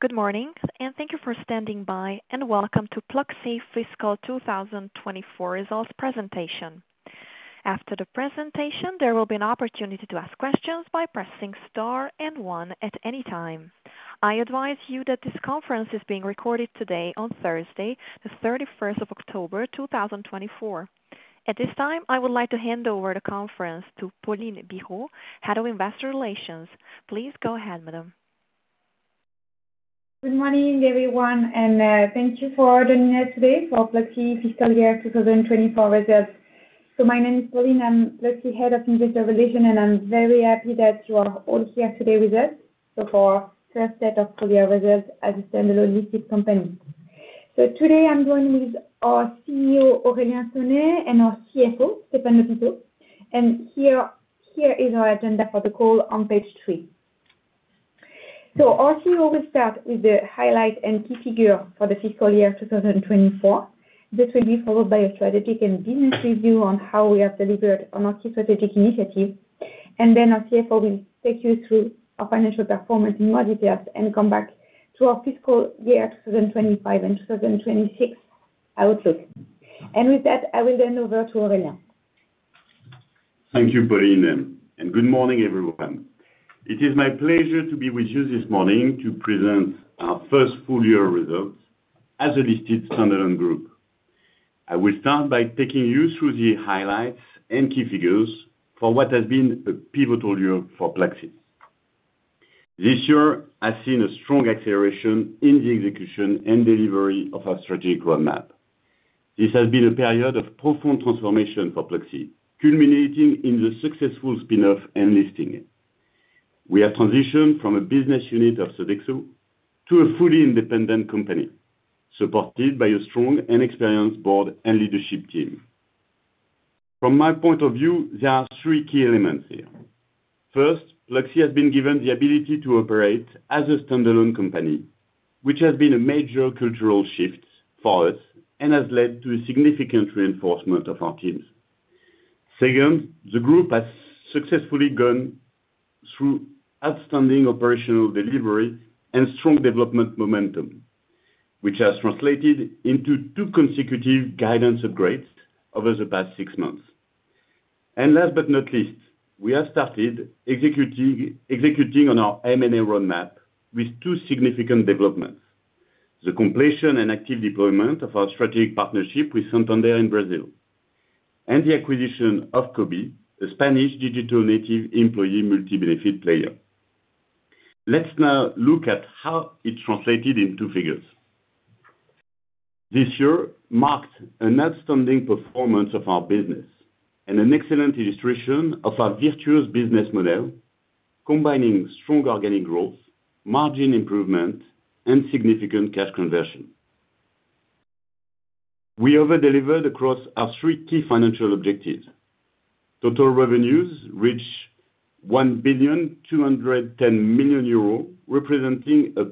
Good morning, and thank you for standing by, and welcome to Pluxee fiscal 2024 results presentation. After the presentation, there will be an opportunity to ask questions by pressing star and one at any time. I advise you that this conference is being recorded today on Thursday, the 31st of October 2024. At this time, I would like to hand over the conference to Pauline Bireaud, Head of Investor Relations. Please go ahead, Madame. Good morning, everyone, and thank you for joining us today for Pluxee fiscal year 2024 results. So my name is Pauline. I'm Pluxee Head of Investor Relations, and I'm very happy that you are all here today with us for our first set of full-year results as a standalone listed company. So today I'm joined with our CEO, Aurélien Sonet, and our CFO, Stéphane Lhopiteau, and here is our agenda for the call on page three. So our CEO will start with the highlight and key figures for the fiscal year 2024. This will be followed by a strategic and business review on how we have delivered on our key strategic initiatives, and then our CFO will take you through our financial performance in more detail and come back to our fiscal year 2025 and 2026 outlook. And with that, I will hand over to Aurélien. Thank you, Pauline, and good morning, everyone. It is my pleasure to be with you this morning to present our first full-year results as a listed standalone group. I will start by taking you through the highlights and key figures for what has been a pivotal year for Pluxee. This year has seen a strong acceleration in the execution and delivery of our strategic roadmap. This has been a period of profound transformation for Pluxee, culminating in the successful spinoff and listing. We have transitioned from a business unit of Sodexo to a fully independent company, supported by a strong and experienced board and leadership team. From my point of view, there are three key elements here. First, Pluxee has been given the ability to operate as a standalone company, which has been a major cultural shift for us and has led to a significant reinforcement of our teams. Second, the group has successfully gone through outstanding operational delivery and strong development momentum, which has translated into two consecutive guidance upgrades over the past six months, and last but not least, we have started executing on our M&A roadmap with two significant developments: the completion and active deployment of our strategic partnership with Santander in Brazil, and the acquisition of Cobee, a Spanish digital native employee multi-benefit player. Let's now look at how it translated into figures. This year marked an outstanding performance of our business and an excellent illustration of our virtuous business model, combining strong organic growth, margin improvement, and significant cash conversion. We over-delivered across our three key financial objectives. Total revenues reached 1,210 million euro, representing a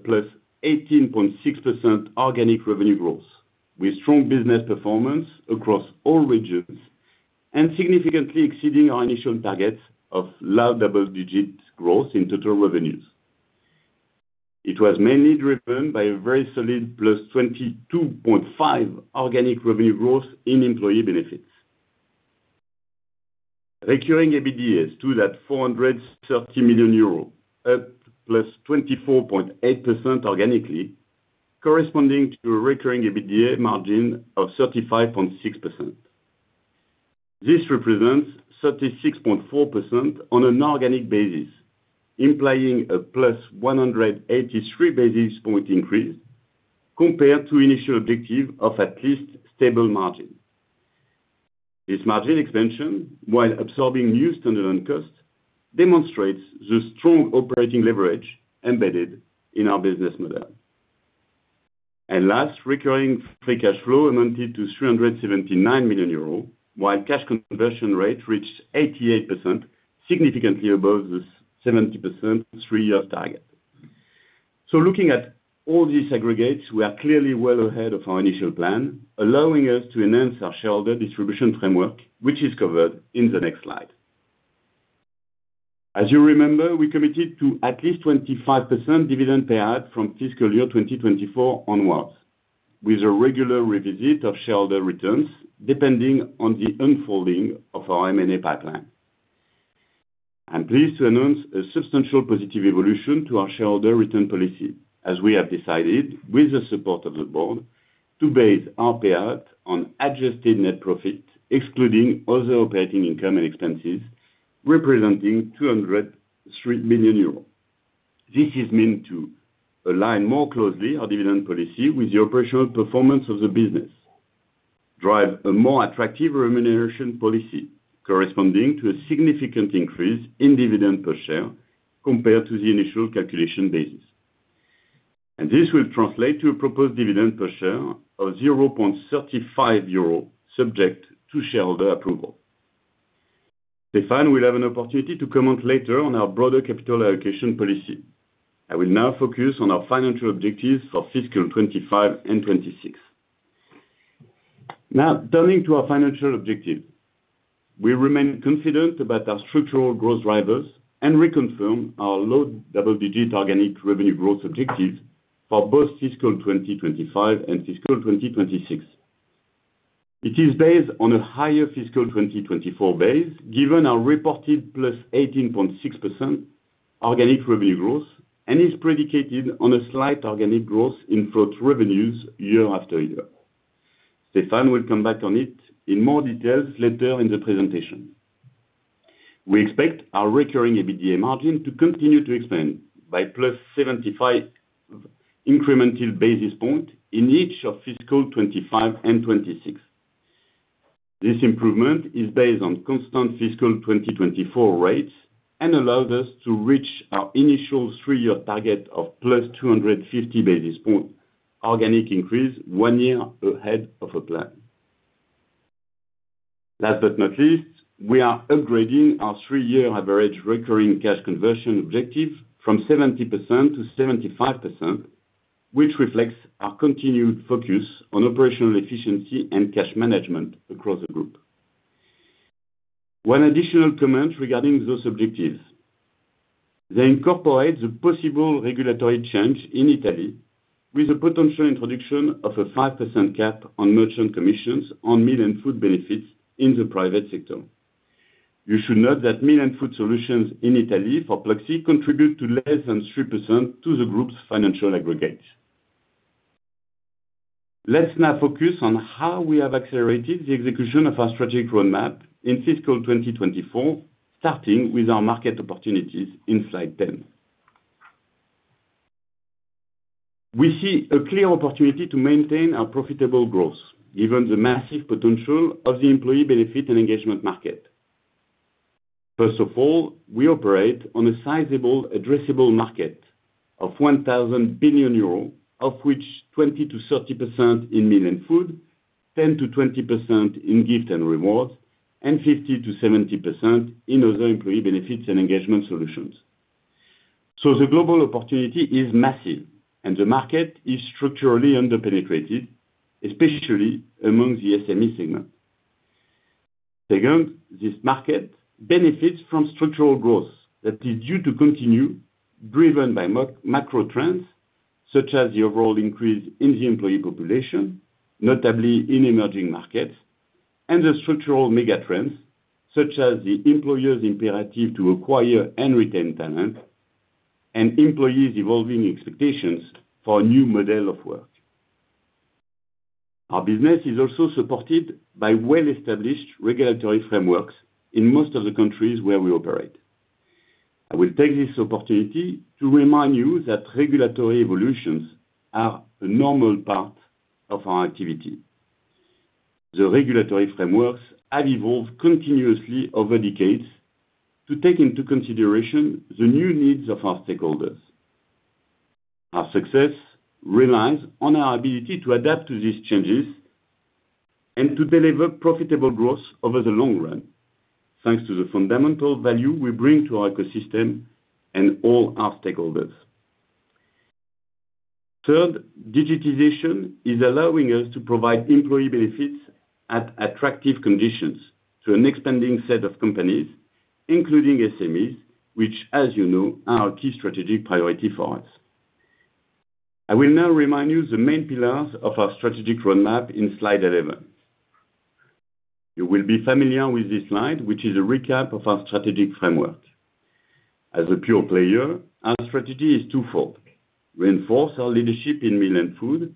+18.6% organic revenue growth, with strong business performance across all regions and significantly exceeding our initial target of low double-digit growth in total revenues. It was mainly driven by a very solid +22.5% organic revenue growth in employee benefits. Recurring EBITDA is 2.430 million euro, up +24.8% organically, corresponding to a recurring EBITDA margin of 35.6%. This represents 36.4% on an organic basis, implying a +183 basis points increase compared to the initial objective of at least stable margin. This margin expansion, while absorbing new standalone costs, demonstrates the strong operating leverage embedded in our business model. Last, recurring free cash flow amounted to 379 million euros, while cash conversion rate reached 88%, significantly above the 70% three-year target. Looking at all these aggregates, we are clearly well ahead of our initial plan, allowing us to enhance our shareholder distribution framework, which is covered in the next slide. As you remember, we committed to at least 25% dividend payout from fiscal year 2024 onwards, with a regular revisit of shareholder returns depending on the unfolding of our M&A pipeline. I'm pleased to announce a substantial positive evolution to our shareholder return policy, as we have decided, with the support of the board, to base our payout on adjusted net profit, excluding other operating income and expenses, representing 203 million euros. This is meant to align more closely our dividend policy with the operational performance of the business, drive a more attractive remuneration policy, corresponding to a significant increase in dividend per share compared to the initial calculation basis, and this will translate to a proposed dividend per share of 0.35 euro, subject to shareholder approval. Stéphane will have an opportunity to comment later on our broader capital allocation policy. I will now focus on our financial objectives for fiscal 2025 and 2026. Now, turning to our financial objectives, we remain confident about our structural growth drivers and reconfirm our low double-digit organic revenue growth objectives for both fiscal 2025 and fiscal 2026. It is based on a higher fiscal 2024 base, given our reported +18.6% organic revenue growth, and is predicated on a slight organic growth in float revenues year after year. Stéphane will come back on it in more details later in the presentation. We expect our recurring EBITDA margin to continue to expand by +75 incremental basis points in each of fiscal 2025 and 2026. This improvement is based on constant fiscal 2024 rates and allows us to reach our initial three-year target of +250 basis points organic increase one year ahead of our plan. Last but not least, we are upgrading our three-year average recurring cash conversion objective from 70%-75%, which reflects our continued focus on operational efficiency and cash management across the group. One additional comment regarding those objectives: they incorporate the possible regulatory change in Italy, with the potential introduction of a 5% cap on merchant commissions on meal and food benefits in the private sector. You should note that meal and food solutions in Italy for Pluxee contribute to less than 3% to the group's financial aggregate. Let's now focus on how we have accelerated the execution of our strategic roadmap in fiscal 2024, starting with our market opportunities in slide 10. We see a clear opportunity to maintain our profitable growth, given the massive potential of the employee benefit and engagement market. First of all, we operate on a sizable addressable market of 1,000 billion euros, of which 20%-30% in meal and food, 10%-20% in gift and rewards, and 50%-70% in other employee benefits and engagement solutions. So the global opportunity is massive, and the market is structurally under-penetrated, especially among the SME segment. Second, this market benefits from structural growth that is due to continue, driven by macro trends such as the overall increase in the employee population, notably in emerging markets, and the structural mega trends such as the employer's imperative to acquire and retain talent and employees' evolving expectations for a new model of work. Our business is also supported by well-established regulatory frameworks in most of the countries where we operate. I will take this opportunity to remind you that regulatory evolutions are a normal part of our activity. The regulatory frameworks have evolved continuously over decades to take into consideration the new needs of our stakeholders. Our success relies on our ability to adapt to these changes and to deliver profitable growth over the long run, thanks to the fundamental value we bring to our ecosystem and all our stakeholders. Third, digitization is allowing us to provide employee benefits at attractive conditions to an expanding set of companies, including SMEs, which, as you know, are a key strategic priority for us. I will now remind you of the main pillars of our strategic roadmap in slide 11. You will be familiar with this slide, which is a recap of our strategic framework. As a pure player, our strategy is twofold: reinforce our leadership in meal and food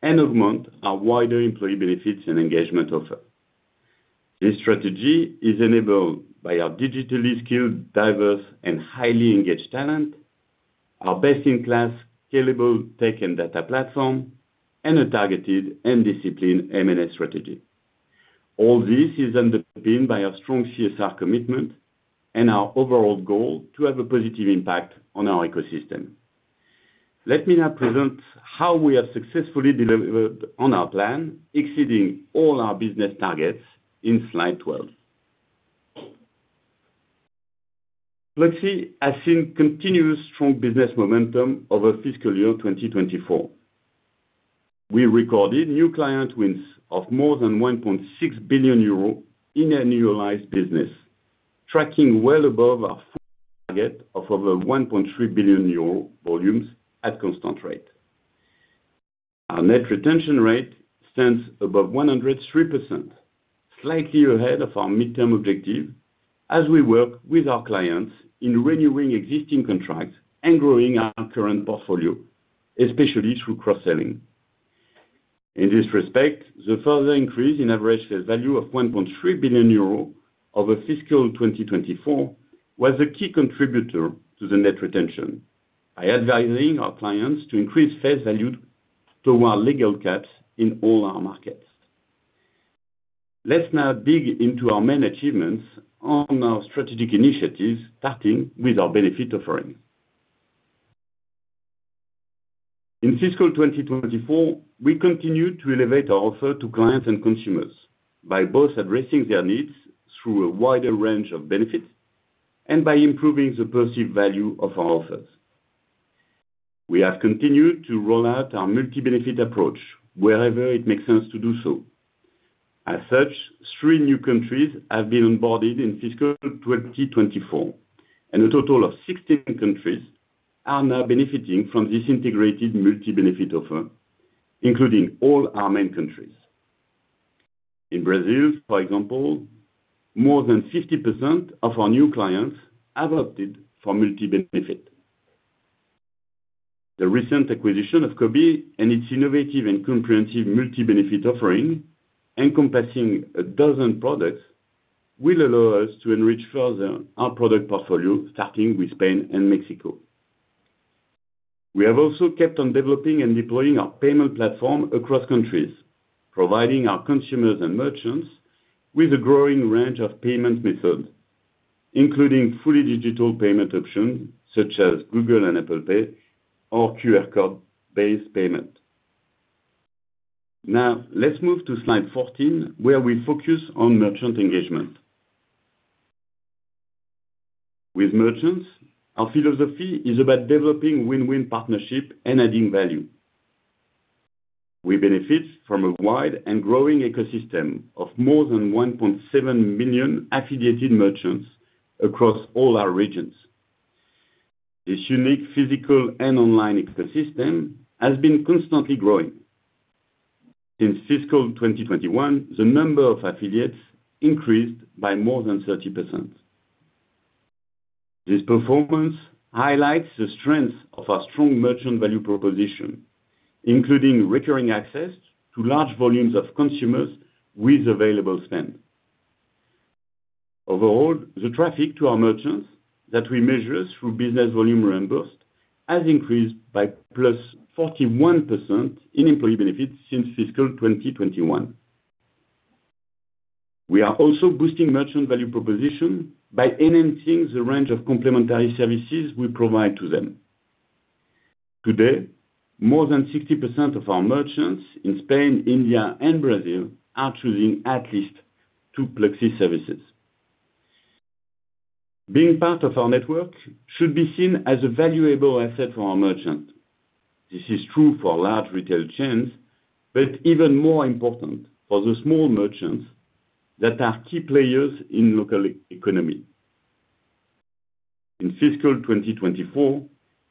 and augment our wider employee benefits and engagement offer. This strategy is enabled by our digitally skilled, diverse, and highly engaged talent, our best-in-class scalable tech and data platform, and a targeted and disciplined M&A strategy. All this is underpinned by our strong CSR commitment and our overall goal to have a positive impact on our ecosystem. Let me now present how we have successfully delivered on our plan, exceeding all our business targets in slide 12. Pluxee has seen continuous strong business momentum over fiscal year 2024. We recorded new client wins of more than 1.6 billion euro in annualized business, tracking well above our target of over 1.3 billion euro volumes at constant rate. Our net retention rate stands above 103%, slightly ahead of our midterm objective as we work with our clients in renewing existing contracts and growing our current portfolio, especially through cross-selling. In this respect, the further increase in average fair value of 1.3 billion euro over fiscal 2024 was a key contributor to the net retention, by advising our clients to increase fair value to our legal caps in all our markets. Let's now dig into our main achievements on our strategic initiatives, starting with our benefit offering. In fiscal 2024, we continued to elevate our offer to clients and consumers by both addressing their needs through a wider range of benefits and by improving the perceived value of our offers. We have continued to roll out our multi-benefit approach wherever it makes sense to do so. As such, three new countries have been onboarded in fiscal 2024, and a total of 16 countries are now benefiting from this integrated multi-benefit offer, including all our main countries. In Brazil, for example, more than 50% of our new clients have opted for multi-benefit. The recent acquisition of Cobee and its innovative and comprehensive multi-benefit offering, encompassing a dozen products, will allow us to enrich further our product portfolio, starting with Spain and Mexico. We have also kept on developing and deploying our payment platform across countries, providing our consumers and merchants with a growing range of payment methods, including fully digital payment options such as Google Pay and Apple Pay or QR code-based payment. Now, let's move to slide 14, where we focus on merchant engagement. With merchants, our philosophy is about developing win-win partnerships and adding value. We benefit from a wide and growing ecosystem of more than 1.7 million affiliated merchants across all our regions. This unique physical and online ecosystem has been constantly growing. In fiscal 2021, the number of affiliates increased by more than 30%. This performance highlights the strength of our strong merchant value proposition, including recurring access to large volumes of consumers with available spend. Overall, the traffic to our merchants that we measure through business volume reimbursed has increased by 41% in employee benefits since fiscal 2021. We are also boosting merchant value proposition by enhancing the range of complementary services we provide to them. Today, more than 60% of our merchants in Spain, India, and Brazil are choosing at least two Pluxee services. Being part of our network should be seen as a valuable asset for our merchants. This is true for large retail chains, but even more important for the small merchants that are key players in the local economy. In fiscal 2024,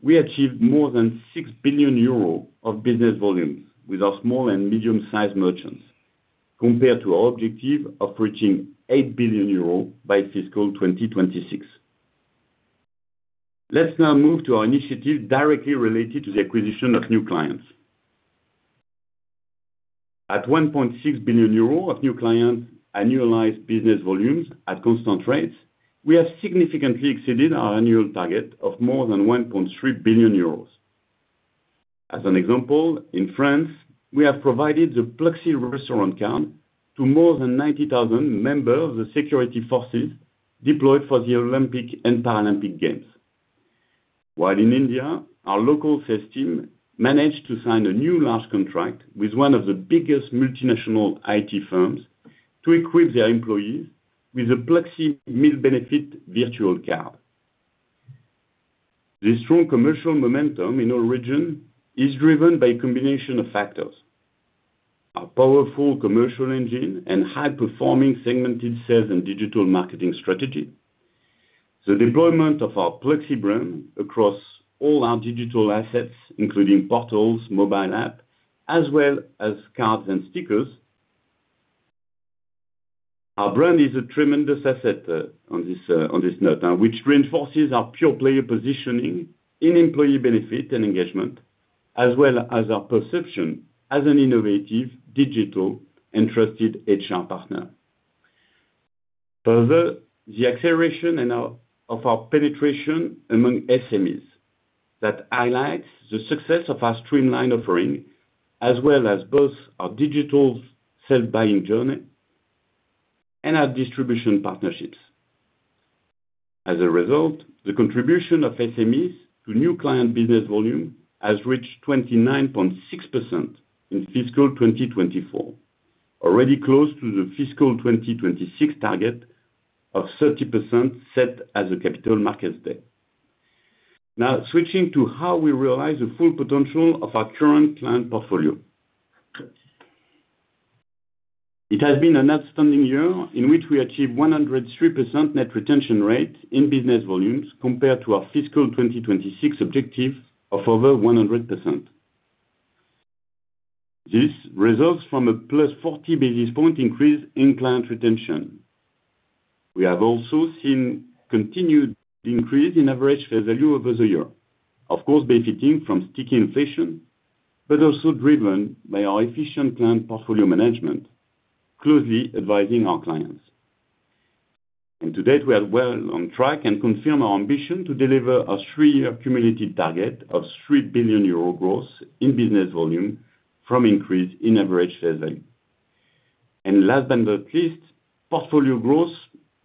we achieved more than 6 billion euros of business volumes with our small and medium-sized merchants, compared to our objective of reaching 8 billion euros by fiscal 2026. Let's now move to our initiative directly related to the acquisition of new clients. At 1.6 billion euro of new clients annualized business volumes at constant rates, we have significantly exceeded our annual target of more than 1.3 billion euros. As an example, in France, we have provided the Pluxee Restaurant Card to more than 90,000 members of the security forces deployed for the Olympic and Paralympic Games. While in India, our local sales team managed to sign a new large contract with one of the biggest multinational IT firms to equip their employees with a Pluxee meal benefit virtual card. This strong commercial momentum in our region is driven by a combination of factors: our powerful commercial engine and high-performing segmented sales and digital marketing strategy, the deployment of our Pluxee brand across all our digital assets, including portals, mobile apps, as well as cards and stickers. Our brand is a tremendous asset on this note, which reinforces our pure player positioning in employee benefit and engagement, as well as our perception as an innovative, digital, and trusted HR partner. Further, the acceleration of our penetration among SMEs highlights the success of our streamlined offering, as well as both our digital sales buying journey and our distribution partnerships. As a result, the contribution of SMEs to new client business volume has reached 29.6% in fiscal 2024, already close to the fiscal 2026 target of 30% set as a Capital Markets Day. Now, switching to how we realize the full potential of our current client portfolio. It has been an outstanding year in which we achieved 103% net retention rate in business volumes compared to our fiscal 2026 objective of over 100%. This results from a +40 basis points increase in client retention. We have also seen continued increase in average fair value over the year, of course benefiting from sticky inflation, but also driven by our efficient client portfolio management, closely advising our clients. To date, we are well on track and confirm our ambition to deliver our three-year cumulative target of 3 billion euro growth in business volume from increase in average fair value. Last but not least, portfolio growth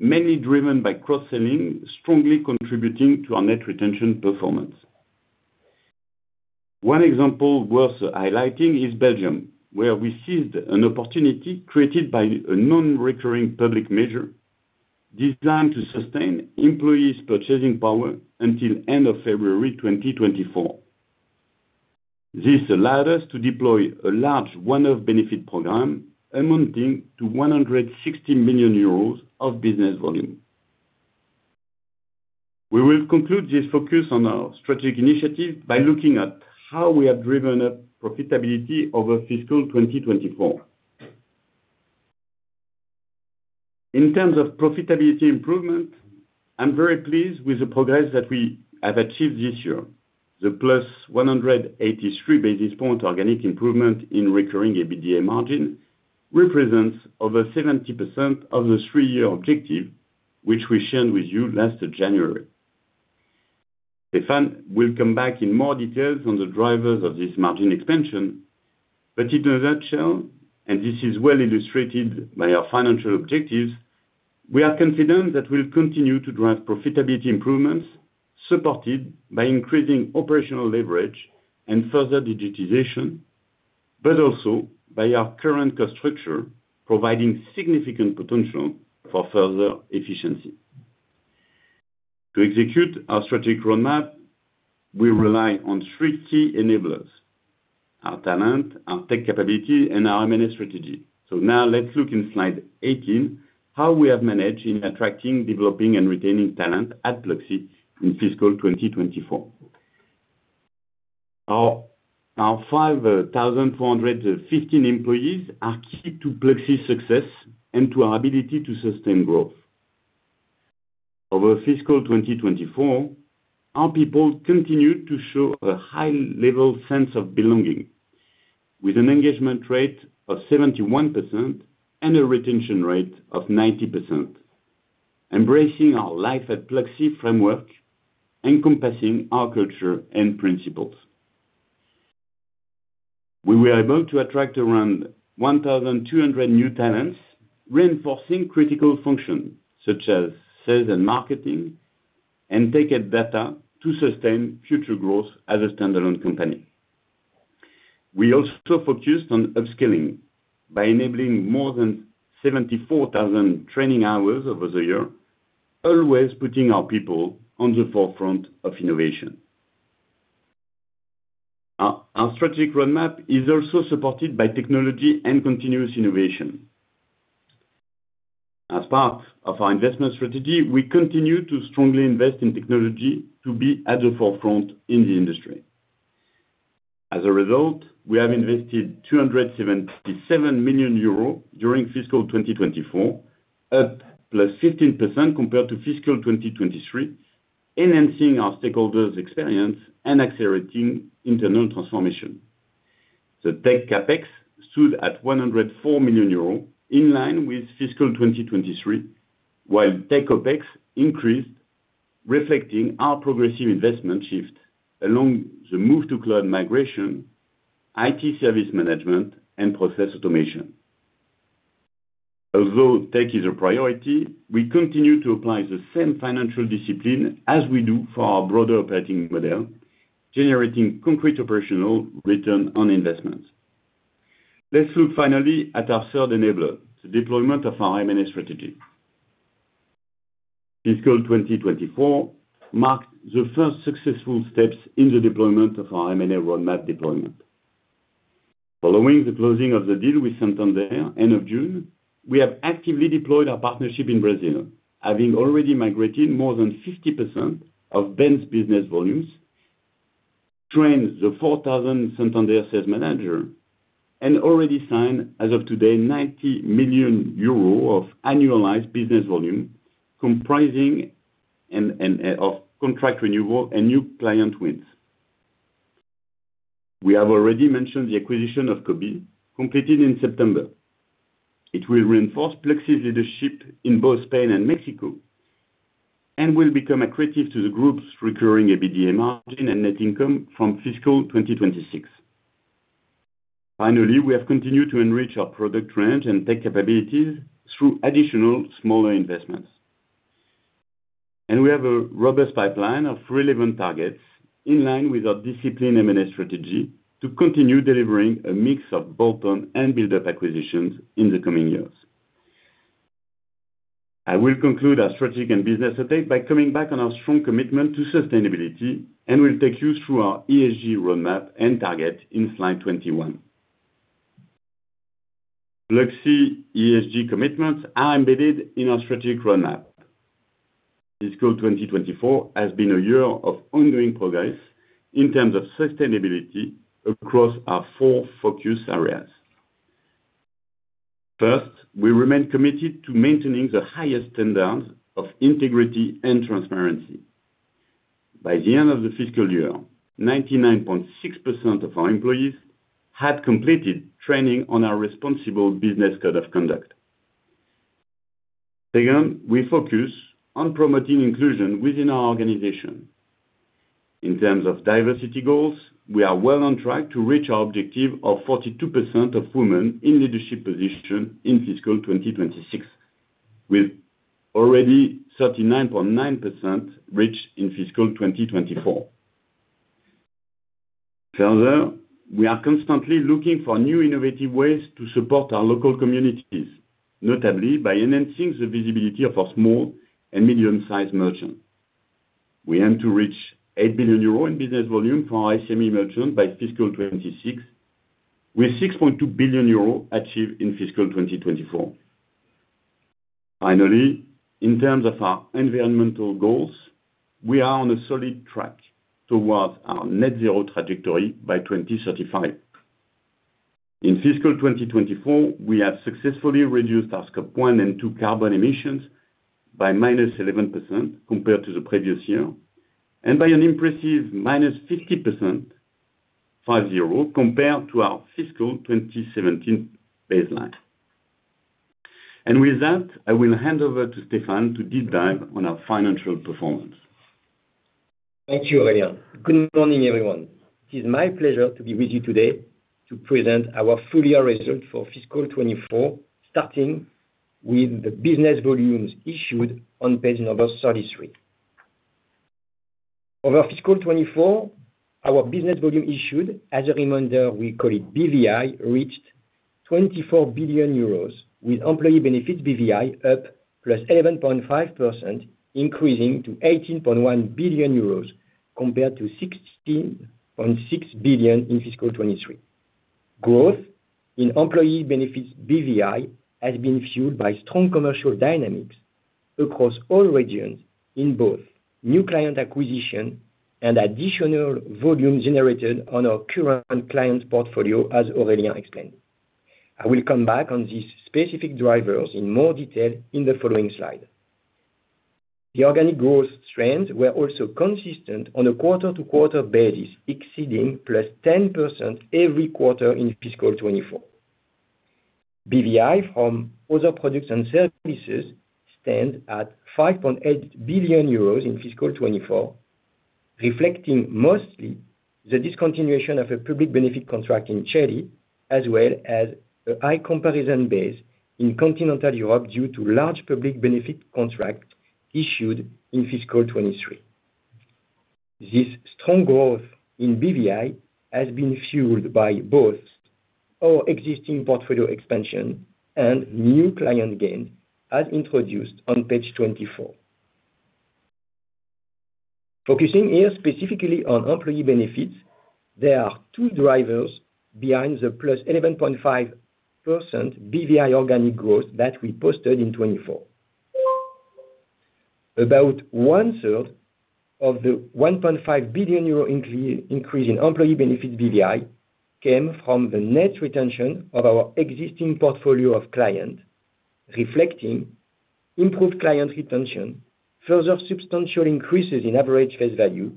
mainly driven by cross-selling, strongly contributing to our net retention performance. One example worth highlighting is Belgium, where we seized an opportunity created by a non-recurring public measure designed to sustain employees' purchasing power until the end of February 2024. This allowed us to deploy a large one-off benefit program amounting to 160 million euros of business volume. We will conclude this focus on our strategic initiative by looking at how we have driven up profitability over fiscal 2024. In terms of profitability improvement, I'm very pleased with the progress that we have achieved this year. The +183 basis point organic improvement in recurring EBITDA margin represents over 70% of the three-year objective, which we shared with you last January. Stéphane will come back in more details on the drivers of this margin expansion, but in a nutshell, and this is well illustrated by our financial objectives, we are confident that we'll continue to drive profitability improvements supported by increasing operational leverage and further digitization, but also by our current cost structure providing significant potential for further efficiency. To execute our strategic roadmap, we rely on three key enablers: our talent, our tech capability, and our M&A strategy. So now let's look in slide 18 how we have managed in attracting, developing, and retaining talent at Pluxee in fiscal 2024. Our 5,415 employees are key to Pluxee's success and to our ability to sustain growth. Over fiscal 2024, our people continued to show a high-level sense of belonging, with an engagement rate of 71% and a retention rate of 90%, embracing our Life at Pluxee framework, encompassing our culture and principles. We were able to attract around 1,200 new talents, reinforcing critical functions such as sales and marketing and tech and data to sustain future growth as a standalone company. We also focused on upskilling by enabling more than 74,000 training hours over the year, always putting our people on the forefront of innovation. Our strategic roadmap is also supported by technology and continuous innovation. As part of our investment strategy, we continue to strongly invest in technology to be at the forefront in the industry. As a result, we have invested 277 million euros during fiscal 2024, up +15% compared to fiscal 2023, enhancing our stakeholders' experience and accelerating internal transformation. The tech CapEx stood at 104 million euros in line with fiscal 2023, while tech OpEx increased, reflecting our progressive investment shift along the move to cloud migration, IT service management, and process automation. Although tech is a priority, we continue to apply the same financial discipline as we do for our broader operating model, generating concrete operational return on investments. Let's look finally at our third enabler, the deployment of our M&A strategy. Fiscal 2024 marked the first successful steps in the deployment of our M&A roadmap. Following the closing of the deal with Santander end of June, we have actively deployed our partnership in Brazil, having already migrated more than 50% of Ben's business volumes, trained the 4,000 Santander sales managers, and already signed, as of today, 90 million euros of annualized business volume comprising of contract renewal and new client wins. We have already mentioned the acquisition of Cobee, completed in September. It will reinforce Pluxee's leadership in both Spain and Mexico and will become accretive to the group's recurring EBITDA margin and net income from fiscal 2026. Finally, we have continued to enrich our product range and tech capabilities through additional smaller investments, and we have a robust pipeline of relevant targets in line with our disciplined M&A strategy to continue delivering a mix of bolt-on and build-up acquisitions in the coming years. I will conclude our strategic and business update by coming back on our strong commitment to sustainability and will take you through our ESG roadmap and target in slide 21. Pluxee ESG commitments are embedded in our strategic roadmap. Fiscal 2024 has been a year of ongoing progress in terms of sustainability across our four focus areas. First, we remain committed to maintaining the highest standards of integrity and transparency. By the end of the fiscal year, 99.6% of our employees had completed training on our responsible business code of conduct. Second, we focus on promoting inclusion within our organization. In terms of diversity goals, we are well on track to reach our objective of 42% of women in leadership positions in fiscal 2026, with already 39.9% reached in fiscal 2024. Further, we are constantly looking for new innovative ways to support our local communities, notably by enhancing the visibility of our small and medium-sized merchants. We aim to reach 8 billion euro in business volume for our SME merchants by fiscal 2026, with 6.2 billion euro achieved in fiscal 2024. Finally, in terms of our environmental goals, we are on a solid track towards our net zero trajectory by 2035. In fiscal 2024, we have successfully reduced our Scope 1 and 2 carbon emissions by -11% compared to the previous year and by an impressive -50%, 5-0, compared to our fiscal 2017 baseline. And with that, I will hand over to Stéphane to deep dive on our financial performance. Thank you, Aurélien. Good morning, everyone. It is my pleasure to be with you today to present our full-year result for fiscal 2024, starting with the business volumes issued on page 33. Over fiscal 2024, our business volume issued, as a reminder, we call it BVI, reached 24 billion euros, with employee benefits BVI up 11.5%, increasing to 18.1 billion euros compared to 16.6 billion in fiscal 2023. Growth in employee benefits BVI has been fueled by strong commercial dynamics across all regions in both new client acquisition and additional volume generated on our current client portfolio, as Aurélien explained. I will come back on these specific drivers in more detail in the following slide. The organic growth trends were also consistent on a quarter-to-quarter basis, exceeding 10% every quarter in fiscal 2024. BVI from other products and services stands at 5.8 billion euros in fiscal 2024, reflecting mostly the discontinuation of a public benefit contract in Chile, as well as a high comparison base in continental Europe due to large public benefit contracts issued in fiscal 2023. This strong growth in BVI has been fueled by both our existing portfolio expansion and new client gains as introduced on page 24. Focusing here specifically on employee benefits, there are two drivers behind the +11.5% BVI organic growth that we posted in 2024. About one-third of the 1.5 billion euro increase in employee benefits BVI came from the net retention of our existing portfolio of clients, reflecting improved client retention, further substantial increases in average fair value,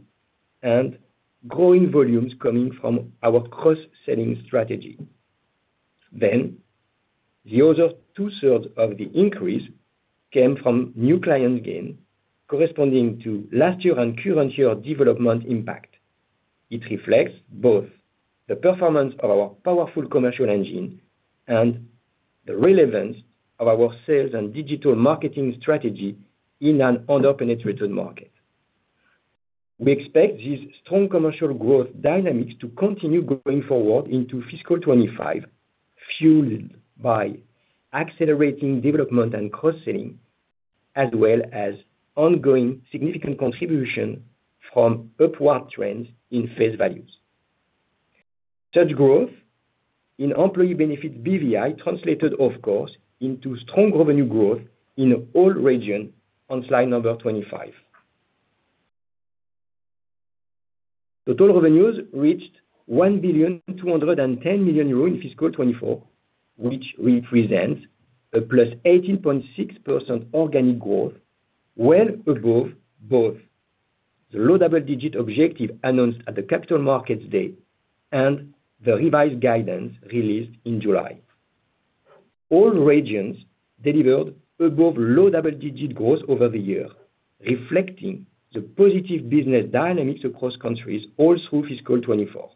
and growing volumes coming from our cross-selling strategy. Then, the other two-thirds of the increase came from new client gain corresponding to last year and current year development impact. It reflects both the performance of our powerful commercial engine and the relevance of our sales and digital marketing strategy in an underpenetrated market. We expect these strong commercial growth dynamics to continue going forward into fiscal 25, fueled by accelerating development and cross-selling, as well as ongoing significant contribution from upward trends in face values. Such growth in employee benefits BVI translated, of course, into strong revenue growth in all regions on slide number 25. Total revenues reached 1,210 million euros in fiscal 24, which represents a +18.6% organic growth, well above both the low double-digit objective announced at the Capital Markets Day and the revised guidance released in July. All regions delivered above low double-digit growth over the year, reflecting the positive business dynamics across countries all through fiscal 2024.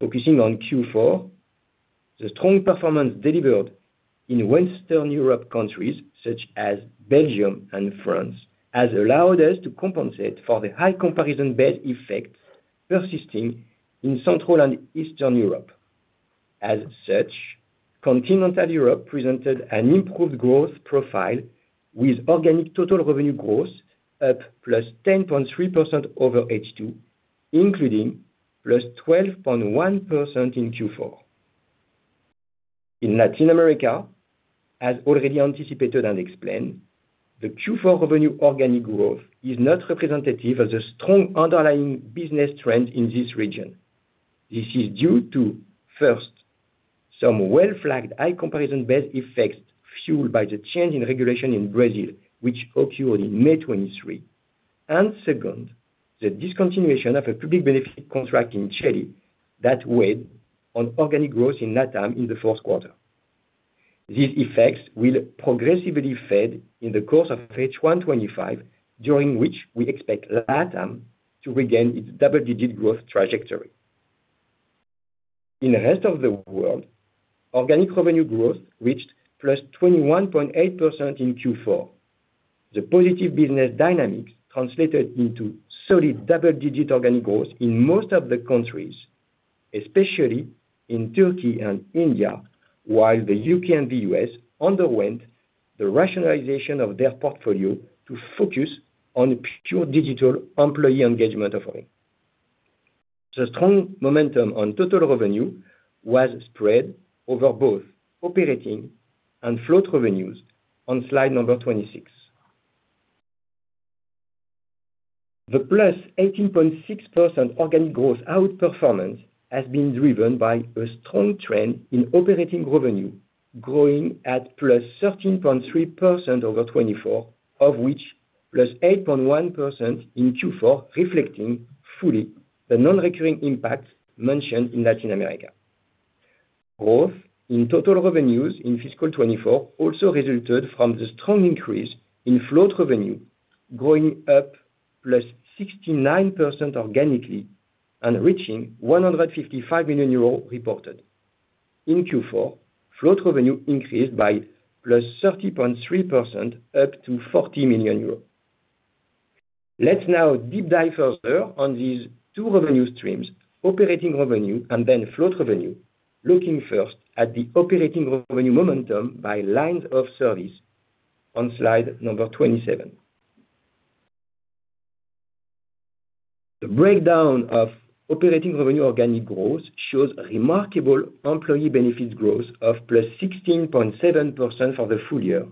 Focusing on Q4, the strong performance delivered in Western Europe countries such as Belgium and France has allowed us to compensate for the high comparison base effect persisting in Central and Eastern Europe. As such, Continental Europe presented an improved growth profile with organic total revenue growth up +10.3% over 2023, including +12.1% in Q4. In Latin America, as already anticipated and explained, the Q4 revenue organic growth is not representative of the strong underlying business trends in this region. This is due to, first, some well-flagged high comparison base effects fueled by the change in regulation in Brazil, which occurred in May 2023, and second, the discontinuation of a public benefit contract in Chile that weighed on organic growth in LATAM in the fourth quarter. These effects will progressively fade in the course of H1 2025, during which we expect LATAM to regain its double-digit growth trajectory. In the rest of the world, organic revenue growth reached +21.8% in Q4. The positive business dynamics translated into solid double-digit organic growth in most of the countries, especially in Turkey and India, while the U.K. and the U.S. underwent the rationalization of their portfolio to focus on pure digital employee engagement offering. The strong momentum on total revenue was spread over both operating and float revenues on slide number 26. The +18.6% organic growth outperformance has been driven by a strong trend in operating revenue growing at +13.3% over 2024, of which +8.1% in Q4, reflecting fully the non-recurring impact mentioned in Latin America. Growth in total revenues in fiscal 2024 also resulted from the strong increase in float revenue, growing up 69% organically and reaching 155 million euros reported. In Q4, float revenue increased by 30.3%, up to 40 million euros. Let's now deep dive further on these two revenue streams, operating revenue and then float revenue, looking first at the operating revenue momentum by lines of service on slide 27. The breakdown of operating revenue organic growth shows remarkable employee benefits growth of 16.7% for the full year,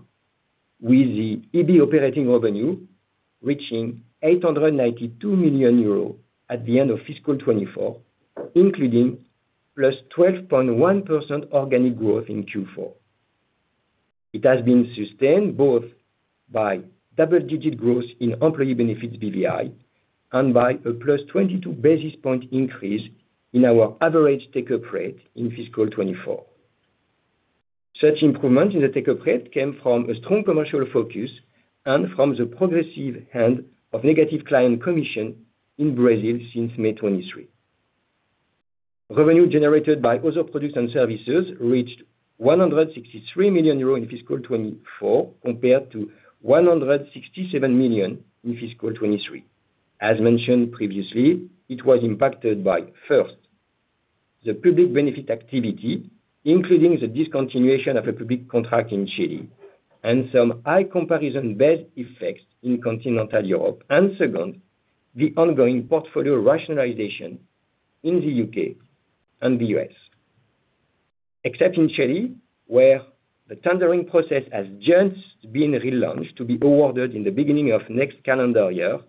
with the EB operating revenue reaching 892 million euros at the end of fiscal 2024, including 12.1% organic growth in Q4. It has been sustained both by double-digit growth in employee benefits BVI and by a 22 basis points increase in our average take-up rate in fiscal 2024. Such improvements in the take-up rate came from a strong commercial focus and from the progressive handover of negative client commission in Brazil since May 2023. Revenue generated by other products and services reached 163 million euros in fiscal 2024 compared to 167 million in fiscal 2023. As mentioned previously, it was impacted by, first, the public benefit activity, including the discontinuation of a public contract in Chile and some high comparison base effects in continental Europe, and second, the ongoing portfolio rationalization in the U.K. and the U.S. Except in Chile, where the tendering process has just been relaunched to be awarded in the beginning of next calendar year,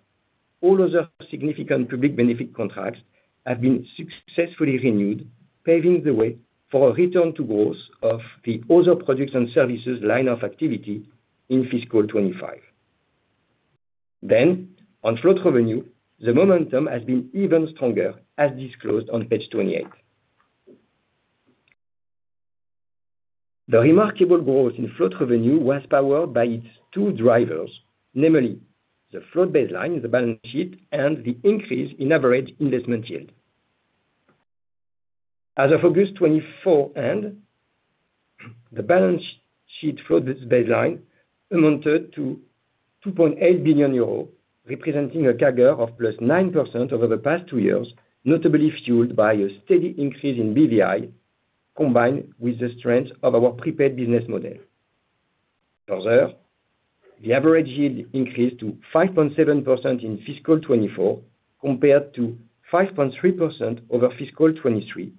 all other significant public benefit contracts have been successfully renewed, paving the way for a return to growth of the other products and services line of activity in fiscal 2025. Then, on float revenue, the momentum has been even stronger, as disclosed on page 28. The remarkable growth in float revenue was powered by its two drivers, namely the float baseline, the balance sheet, and the increase in average investment yield. As of August 2024, the balance sheet float baseline amounted to 2.8 billion euros, representing a CAGR of +9% over the past two years, notably fueled by a steady increase in BVI combined with the strength of our prepaid business model. Further, the average yield increased to 5.7% in fiscal 2024 compared to 5.3% over fiscal 2023,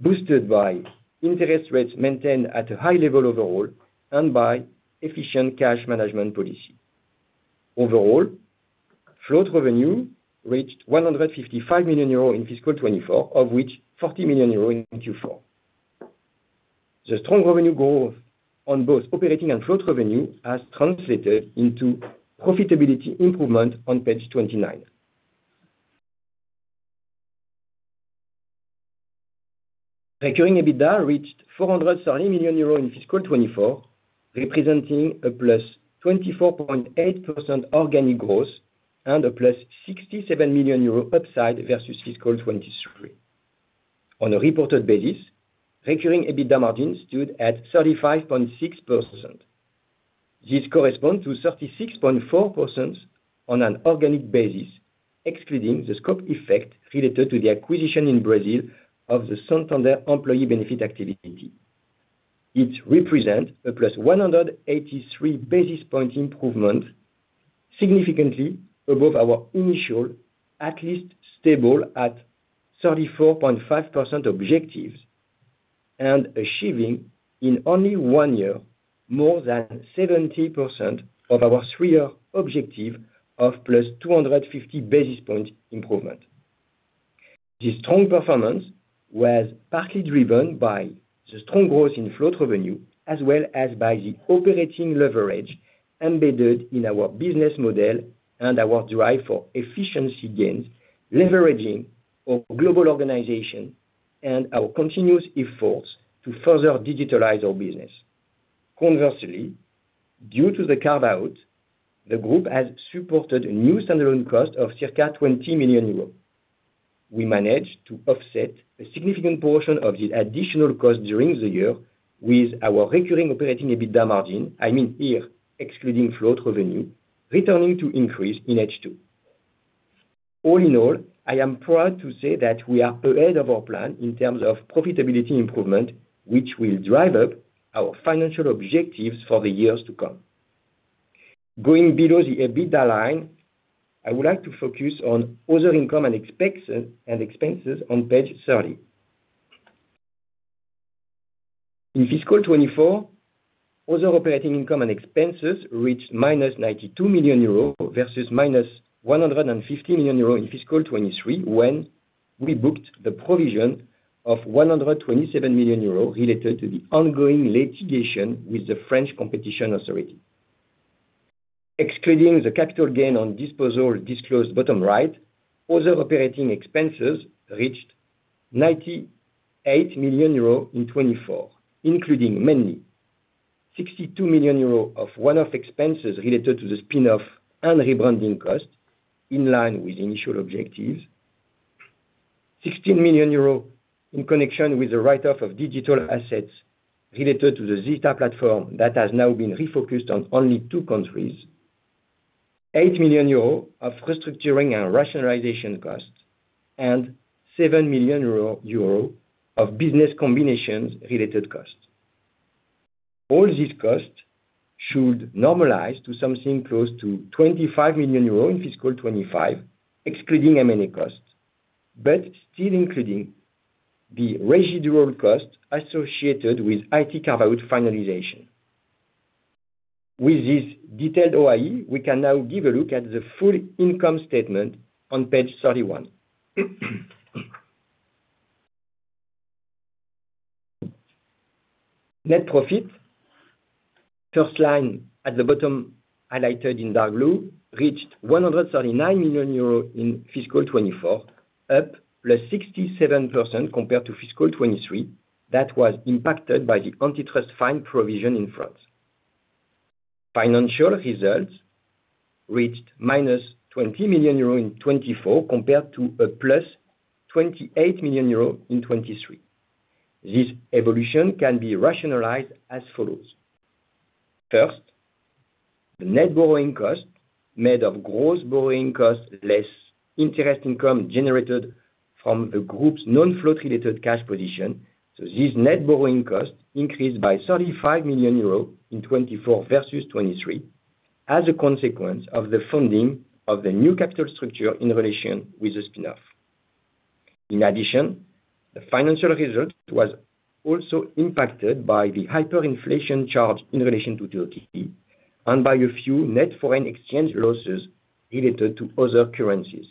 boosted by interest rates maintained at a high level overall and by efficient cash management policy. Overall, float revenue reached 155 million euros in fiscal 2024, of which 40 million euros in Q4. The strong revenue growth on both operating and float revenue has translated into profitability improvement on page 29. Recurring EBITDA reached 430 million euros in fiscal 2024, representing a +24.8% organic growth and a +67 million euro upside versus fiscal 2023. On a reported basis, recurring EBITDA margins stood at 35.6%. This corresponds to 36.4% on an organic basis, excluding the scope effect related to the acquisition in Brazil of the Santander employee benefit activity. It represents a +183 basis point improvement, significantly above our initial, at least stable at 34.5% objectives, and achieving in only one year more than 70% of our three-year objective of +250 basis point improvement. This strong performance was partly driven by the strong growth in float revenue, as well as by the operating leverage embedded in our business model and our drive for efficiency gains, leveraging our global organization and our continuous efforts to further digitalize our business. Conversely, due to the carve-out, the group has supported a new standalone cost of circa 20 million euros. We managed to offset a significant portion of the additional cost during the year with our recurring operating EBITDA margin, I mean here excluding float revenue, returning to increase in H2. All in all, I am proud to say that we are ahead of our plan in terms of profitability improvement, which will drive up our financial objectives for the years to come. Going below the EBITDA line, I would like to focus on other income and expenses on page 30. In fiscal 2024, other operating income and expenses reached -92 million euros versus -150 million euros in fiscal 2023 when we booked the provision of 127 million euros related to the ongoing litigation with the French Competition Authority. Excluding the capital gain on disposal disclosed bottom right, other operating expenses reached 98 million euro in 2024, including mainly 62 million euro of one-off expenses related to the spin-off and rebranding cost in line with initial objectives, 16 million euros in connection with the write-off of digital assets related to the Zeta platform that has now been refocused on only two countries, 8 million euros of restructuring and rationalization cost, and 7 million euros of business combinations related cost. All these costs should normalize to something close to 25 million euros in fiscal 2025, excluding M&A cost, but still including the residual cost associated with IT carve-out finalization. With this detailed OIE, we can now give a look at the full income statement on page 31. Net profit, first line at the bottom highlighted in dark blue, reached 139 million euros in fiscal 2024, up 67% compared to fiscal 2023 that was impacted by the antitrust fine provision in France. Financial results reached -20 million euro in 2024 compared to +28 million euro in 2023. This evolution can be rationalized as follows. First, the net borrowing cost made of gross borrowing cost less interest income generated from the group's non-float related cash position, so this net borrowing cost increased by 35 million euros in 2024 versus 2023 as a consequence of the funding of the new capital structure in relation with the spin-off. In addition, the financial result was also impacted by the hyperinflation charge in relation to Turkey and by a few net foreign exchange losses related to other currencies.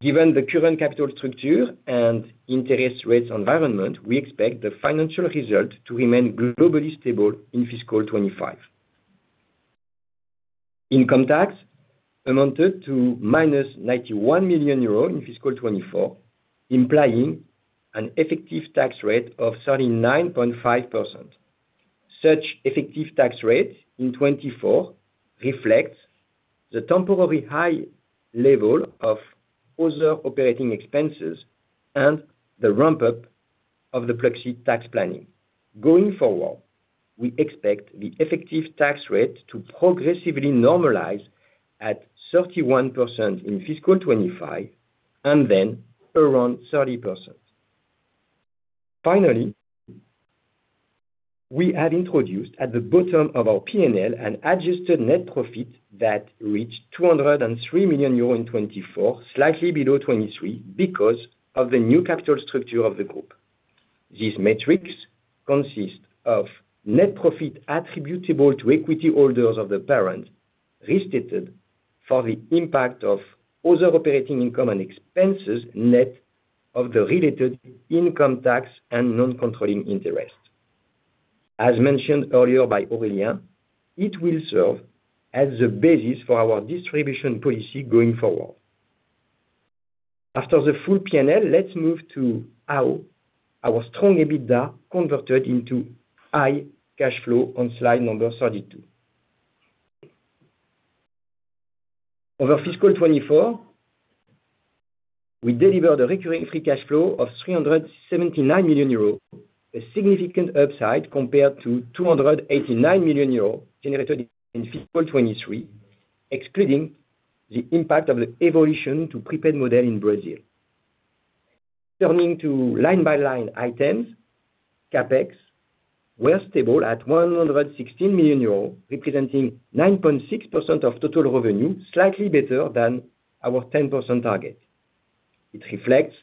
Given the current capital structure and interest rates environment, we expect the financial result to remain globally stable in fiscal 2025. Income tax amounted to -91 million euros in fiscal 2024, implying an effective tax rate of 39.5%. Such effective tax rate in 2024 reflects the temporary high level of other operating expenses and the ramp-up of the Pluxee tax planning. Going forward, we expect the effective tax rate to progressively normalize at 31% in fiscal 2025 and then around 30%. Finally, we have introduced at the bottom of our P&L an adjusted net profit that reached 203 million euro in 2024, slightly below 2023 because of the new capital structure of the group. These metrics consist of net profit attributable to equity holders of the parent restated for the impact of other operating income and expenses net of the related income tax and non-controlling interest. As mentioned earlier by Aurélien, it will serve as the basis for our distribution policy going forward. After the full P&L, let's move to how our strong EBITDA converted into high cash flow on slide number 32. Over fiscal 2024, we delivered a recurring free cash flow of 379 million euros, a significant upside compared to 289 million euros generated in fiscal 2023, excluding the impact of the evolution to prepaid model in Brazil. Turning to line-by-line items, CapEx were stable at 116 million euros, representing 9.6% of total revenue, slightly better than our 10% target. It reflects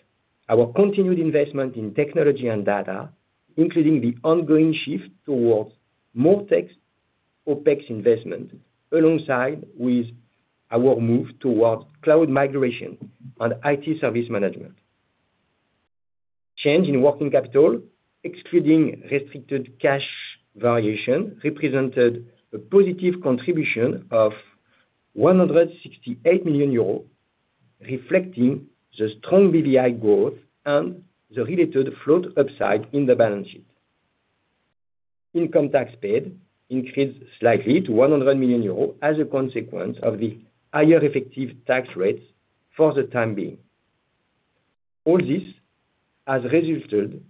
our continued investment in technology and data, including the ongoing shift towards more tech OpEx investment alongside with our move towards cloud migration and IT service management. Change in working capital, excluding restricted cash variation, represented a positive contribution of 168 million euros, reflecting the strong BVI growth and the related float upside in the balance sheet. Income tax paid increased slightly to 100 million euros as a consequence of the higher effective tax rates for the time being. All this has resulted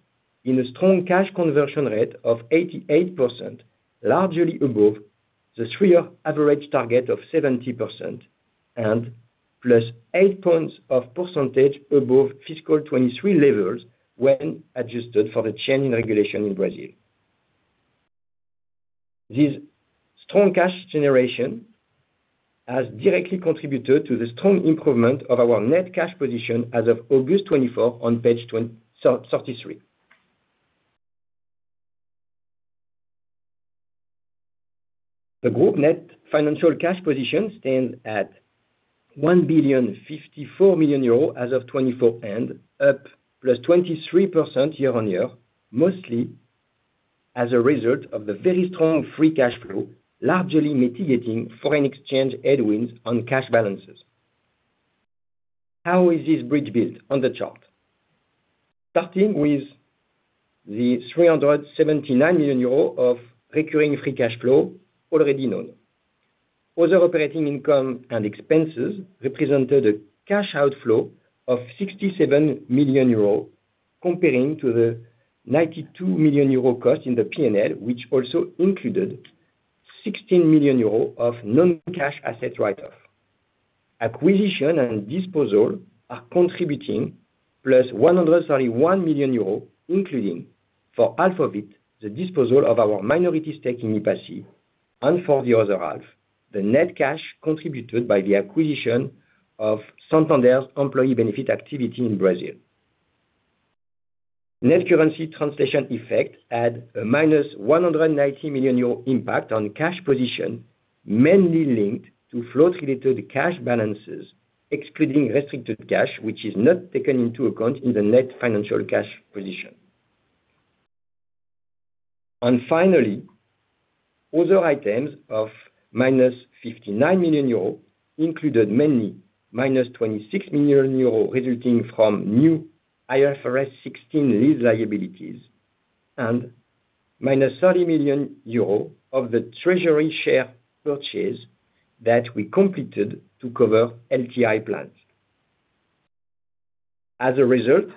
in a strong cash conversion rate of 88%, largely above the three-year average target of 70% and ++8 points of percentage above fiscal 2023 levels when adjusted for the change in regulation in Brazil. This strong cash generation has directly contributed to the strong improvement of our net cash position as of August 2024 on page 33. The group net financial cash position stands at 1,054 million euros as of 2024 end, up +23% year on year, mostly as a result of the very strong free cash flow, largely mitigating foreign exchange headwinds on cash balances. How is this bridge built on the chart? Starting with the 379 million euros of recurring free cash flow already known, other operating income and expenses represented a cash outflow of 67 million euro comparing to the 92 million euro cost in the P&L, which also included 16 million euro of non-cash asset write-off. Acquisition and disposal are contributing +131 million euros, including for half of it, the disposal of our minority stake in ePassi, and for the other half, the net cash contributed by the acquisition of Santander's employee benefit activity in Brazil. Net currency translation effect had a -190 million euro impact on cash position, mainly linked to float-related cash balances, excluding restricted cash, which is not taken into account in the net financial cash position. And finally, other items of -59 million euros included mainly -26 million euros resulting from new IFRS 16 lease liabilities and -30 million euro of the treasury share purchase that we completed to cover LTI plans. As a result,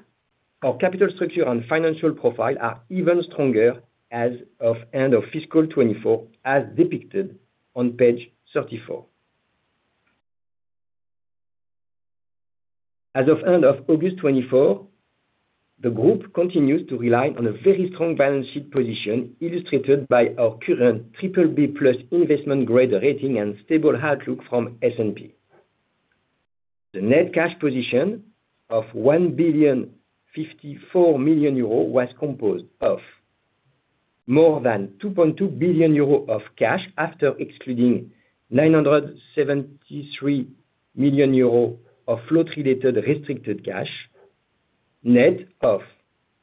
our capital structure and financial profile are even stronger as of end of fiscal 2024, as depicted on page 34. As of end of August 2024, the group continues to rely on a very strong balance sheet position illustrated by our current BBB+ investment grade rating and stable outlook from S&P. The net cash position of 1.054 million euro was composed of more than 2.2 billion euro of cash after excluding 973 million euro of float-related restricted cash, net of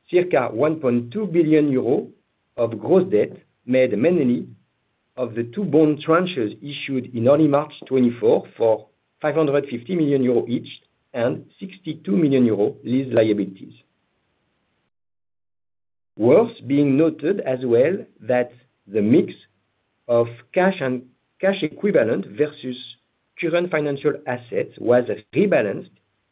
circa 1.2 billion euro of gross debt made mainly of the two bond tranches issued in early March 2024 for 550 million euro each and 62 million euro lease liabilities. Worth being noted as well that the mix of cash and cash equivalent versus current financial assets was rebalanced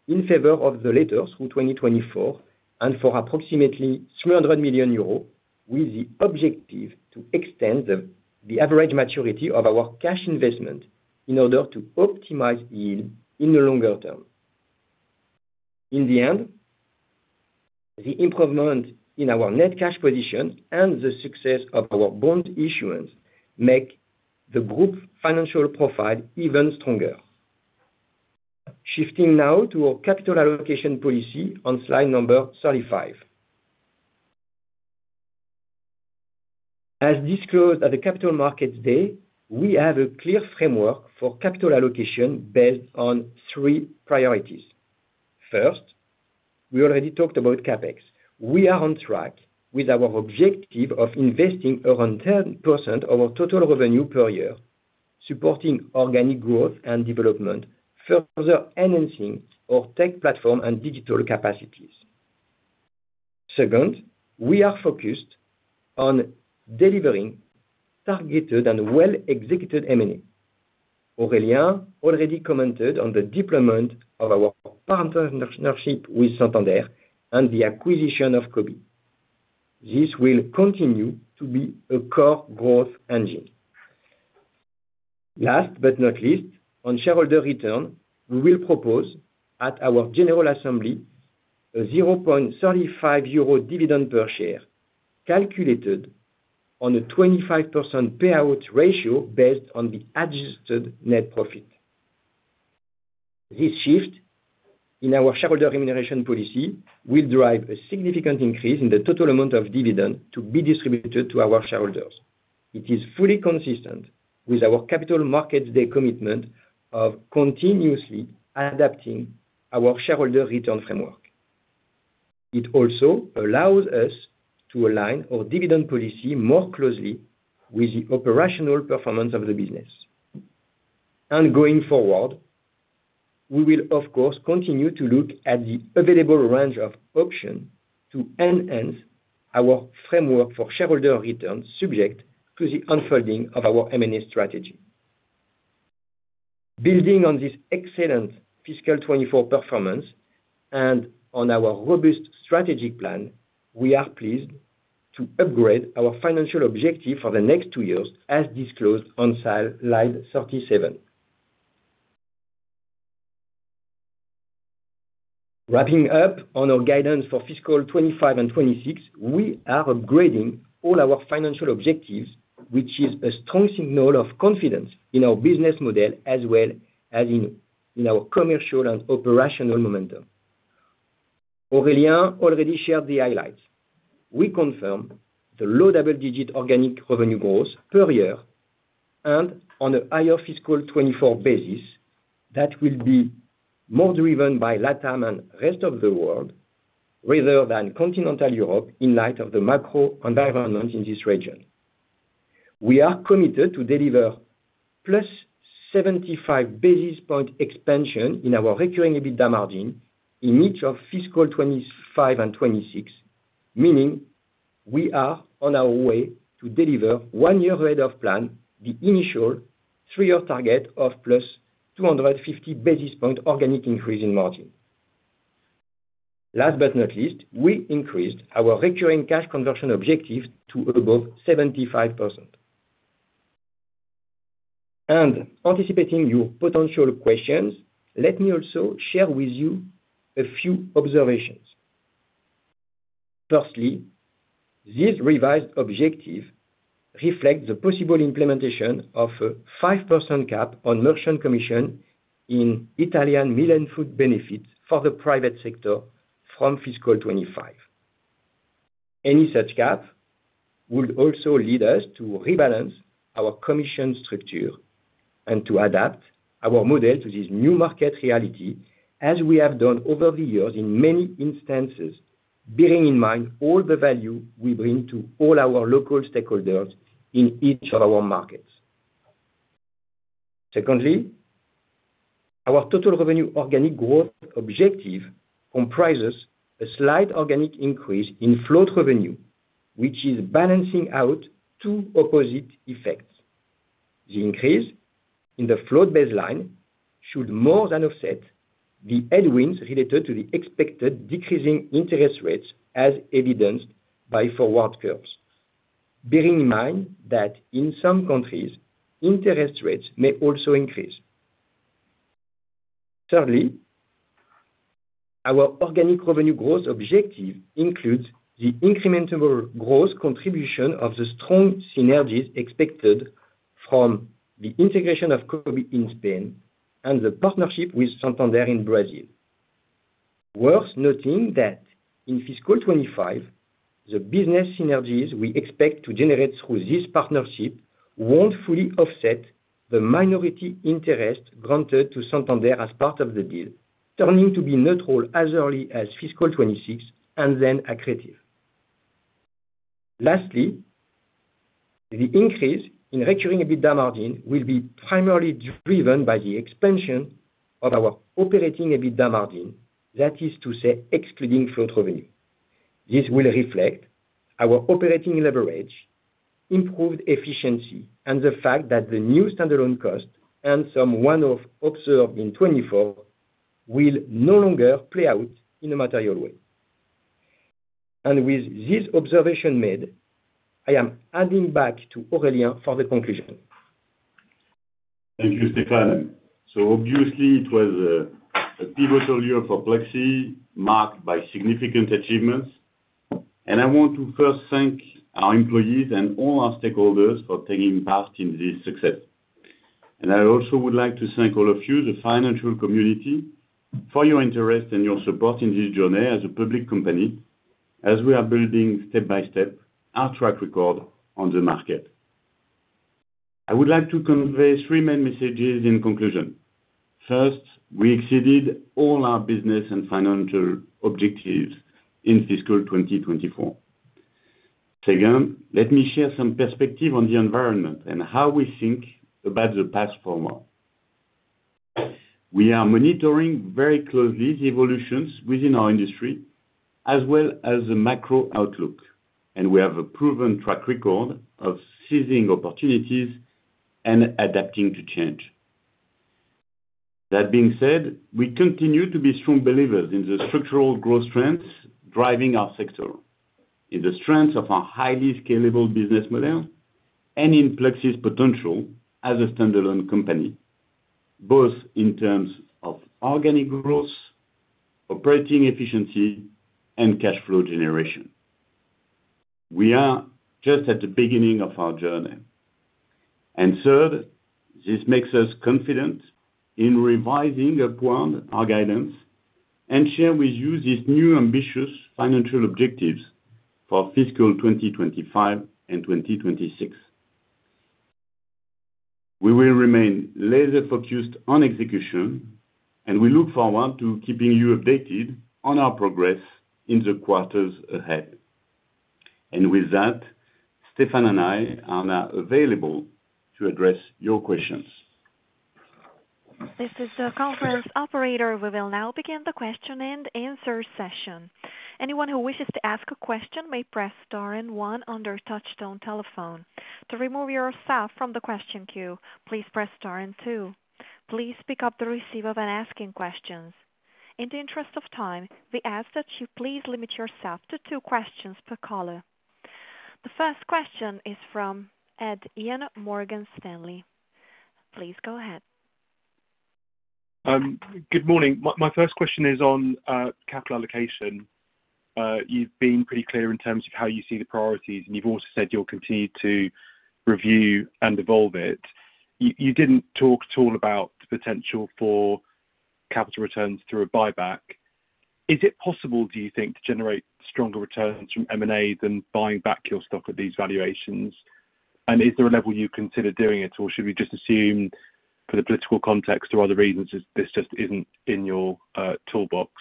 in favor of the latter through 2024 and for approximately 300 million euros, with the objective to extend the average maturity of our cash investment in order to optimize yield in the longer term. In the end, the improvement in our net cash position and the success of our bond issuance make the group financial profile even stronger. Shifting now to our capital allocation policy on slide number 35. As disclosed at the Capital Markets Day, we have a clear framework for capital allocation based on three priorities. First, we already talked about CapEx. We are on track with our objective of investing around 10% of our total revenue per year, supporting organic growth and development, further enhancing our tech platform and digital capacities. Second, we are focused on delivering targeted and well-executed M&A. Aurélien already commented on the deployment of our partnership with Santander and the acquisition of Cobee. This will continue to be a core growth engine. Last but not least, on shareholder return, we will propose at our general assembly a 0.35 euro dividend per share calculated on a 25% payout ratio based on the adjusted net profit. This shift in our shareholder remuneration policy will drive a significant increase in the total amount of dividend to be distributed to our shareholders. It is fully consistent with our Capital Markets Day commitment of continuously adapting our shareholder return framework. It also allows us to align our dividend policy more closely with the operational performance of the business. And going forward, we will, of course, continue to look at the available range of options to enhance our framework for shareholder returns subject to the unfolding of our M&A strategy. Building on this excellent fiscal 2024 performance and on our robust strategic plan, we are pleased to upgrade our financial objective for the next two years as disclosed on slide 37. Wrapping up on our guidance for fiscal 2025 and 2026, we are upgrading all our financial objectives, which is a strong signal of confidence in our business model as well as in our commercial and operational momentum. Aurélien already shared the highlights. We confirm the low double-digit organic revenue growth per year and on a higher fiscal 2024 basis that will be more driven by LATAM and rest of the world rather than continental Europe in light of the macro environment in this region. We are committed to deliver +75 basis points expansion in our recurring EBITDA margin in each of fiscal 2025 and 2026, meaning we are on our way to deliver one year ahead of plan the initial three-year target of +250 basis points organic increase in margin. Last but not least, we increased our recurring cash conversion objective to above 75%. And anticipating your potential questions, let me also share with you a few observations. Firstly, this revised objective reflects the possible implementation of a 5% cap on merchant commission in Italian meal voucher benefits for the private sector from fiscal 2025. Any such cap would also lead us to rebalance our commission structure and to adapt our model to this new market reality as we have done over the years in many instances, bearing in mind all the value we bring to all our local stakeholders in each of our markets. Secondly, our total revenue organic growth objective comprises a slight organic increase in float revenue, which is balancing out two opposite effects. The increase in the float baseline should more than offset the headwinds related to the expected decreasing interest rates as evidenced by forward curves, bearing in mind that in some countries, interest rates may also increase. Thirdly, our organic revenue growth objective includes the incremental growth contribution of the strong synergies expected from the integration of Cobee in Spain and the partnership with Santander in Brazil. Worth noting that in fiscal 2025, the business synergies we expect to generate through this partnership won't fully offset the minority interest granted to Santander as part of the deal, turning to be neutral as early as fiscal 2026 and then accretive. Lastly, the increase in recurring EBITDA margin will be primarily driven by the expansion of our operating EBITDA margin, that is to say, excluding float revenue. This will reflect our operating leverage, improved efficiency, and the fact that the new standalone cost and some one-off observed in 2024 will no longer play out in a material way. With this observation made, I am adding back to Aurélien for the conclusion. Thank you, Stéphane. Obviously, it was a pivotal year for Pluxee, marked by significant achievements. I want to first thank our employees and all our stakeholders for taking part in this success. And I also would like to thank all of you, the financial community, for your interest and your support in this journey as a public company, as we are building step by step our track record on the market. I would like to convey three main messages in conclusion. First, we exceeded all our business and financial objectives in fiscal 2024. Second, let me share some perspective on the environment and how we think about the past four months. We are monitoring very closely the evolutions within our industry as well as the macro outlook, and we have a proven track record of seizing opportunities and adapting to change. That being said, we continue to be strong believers in the structural growth trends driving our sector, in the strength of our highly scalable business model, and in Pluxee's potential as a standalone company, both in terms of organic growth, operating efficiency, and cash flow generation. We are just at the beginning of our journey. And third, this makes us confident in revising up our guidance and share with you these new ambitious financial objectives for fiscal 2025 and 2026. We will remain laser-focused on execution, and we look forward to keeping you updated on our progress in the quarters ahead. And with that, Stéphane and I are now available to address your questions. This is the conference operator. We will now begin the question and answer session. Anyone who wishes to ask a question may press star and one under touch-tone telephone. To remove yourself from the question queue, please press star and two. Please pick up the receiver when asking questions. In the interest of time, we ask that you please limit yourself to two questions per caller. The first question is from Ed Young, Morgan Stanley. Please go ahead. Good morning. My first question is on capital allocation. You've been pretty clear in terms of how you see the priorities, and you've also said you'll continue to review and evolve it. You didn't talk at all about the potential for capital returns through a buyback. Is it possible, do you think, to generate stronger returns from M&A than buying back your stock at these valuations? And is there a level you consider doing it, or should we just assume for the political context or other reasons this just isn't in your toolbox?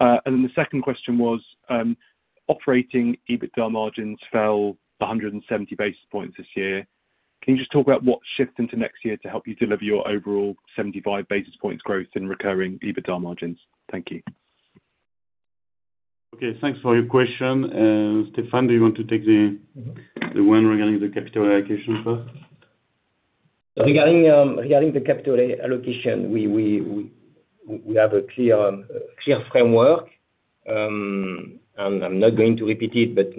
And then the second question was, operating EBITDA margins fell 170 basis points this year. Can you just talk about what's shifting to next year to help you deliver your overall 75 basis points growth in recurring EBITDA margins? Thank you. Okay. Thanks for your question. Stéphane, do you want to take the one regarding the capital allocation first? Regarding the capital allocation, we have a clear framework, and I'm not going to repeat it, but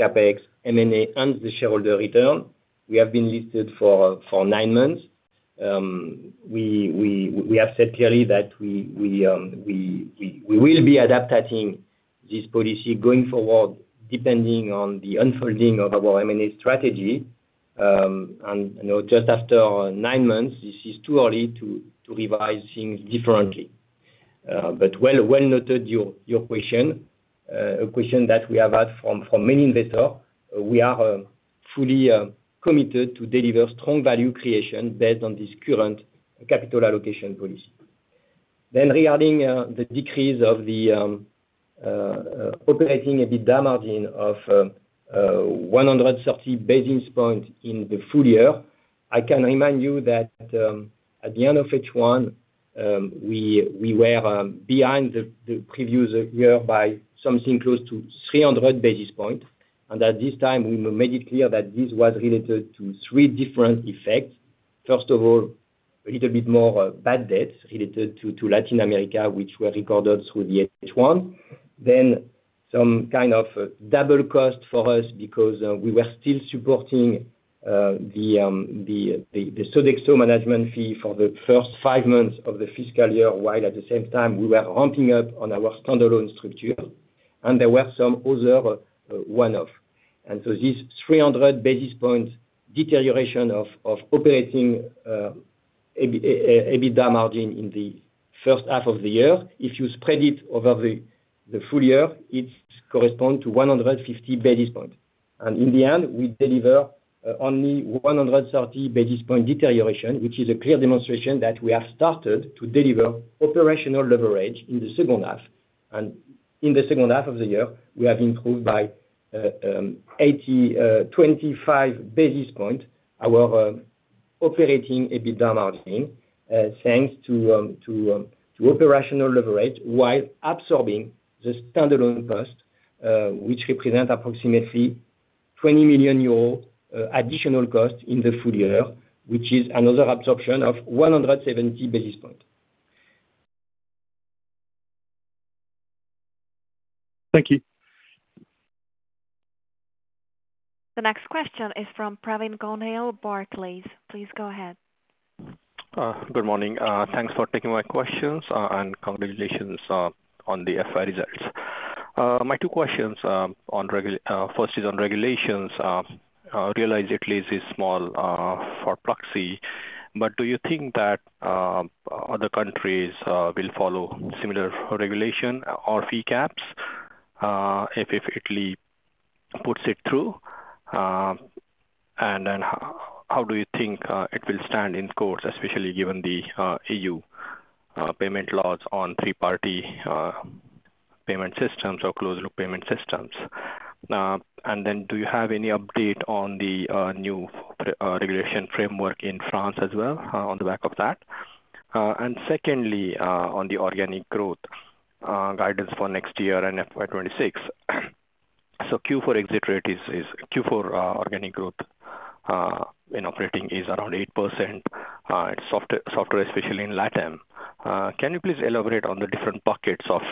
CapEx, M&A, and the shareholder return, we have been listed for nine months. We have said clearly that we will be adapting this policy going forward depending on the unfolding of our M&A strategy. And just after nine months, this is too early to revise things differently. But well noted your question, a question that we have had from many investors. We are fully committed to deliver strong value creation based on this current capital allocation policy, then regarding the decrease of the operating EBITDA margin of 130 basis points in the full year, I can remind you that at the end of H1, we were behind the previous year by something close to 300 basis points, and at this time, we made it clear that this was related to three different effects. First of all, a little bit more bad debts related to Latin America, which were recorded through the H1, then some kind of double cost for us because we were still supporting the Sodexo management fee for the first five months of the fiscal year, while at the same time, we were ramping up on our standalone structure, and there were some other one-offs. This 300 basis points deterioration of operating EBITDA margin in the first half of the year, if you spread it over the full year, it corresponds to 150 basis points. In the end, we deliver only 130 basis points deterioration, which is a clear demonstration that we have started to deliver operational leverage in the second half. In the second half of the year, we have improved by 25 basis points, our operating EBITDA margin, thanks to operational leverage, while absorbing the standalone cost, which represents approximately 20 million euros additional cost in the full year, which is another absorption of 170 basis points. Thank you. The next question is from Praveen Gupta, Barclays. Please go ahead. Good morning. Thanks for taking my questions and congratulations on the FY results. My two questions first is on regulations. I realize Italy is small for Pluxee, but do you think that other countries will follow similar regulation or fee caps if Italy puts it through? And then how do you think it will stand in court, especially given the EU payment laws on three-party payment systems or closed-loop payment systems? And then do you have any update on the new regulation framework in France as well on the back of that? And secondly, on the organic growth guidance for next year and FY 2026. So Q4 exit rate is Q4 organic growth in operating is around 8%. It's software, especially in LATAM. Can you please elaborate on the different buckets of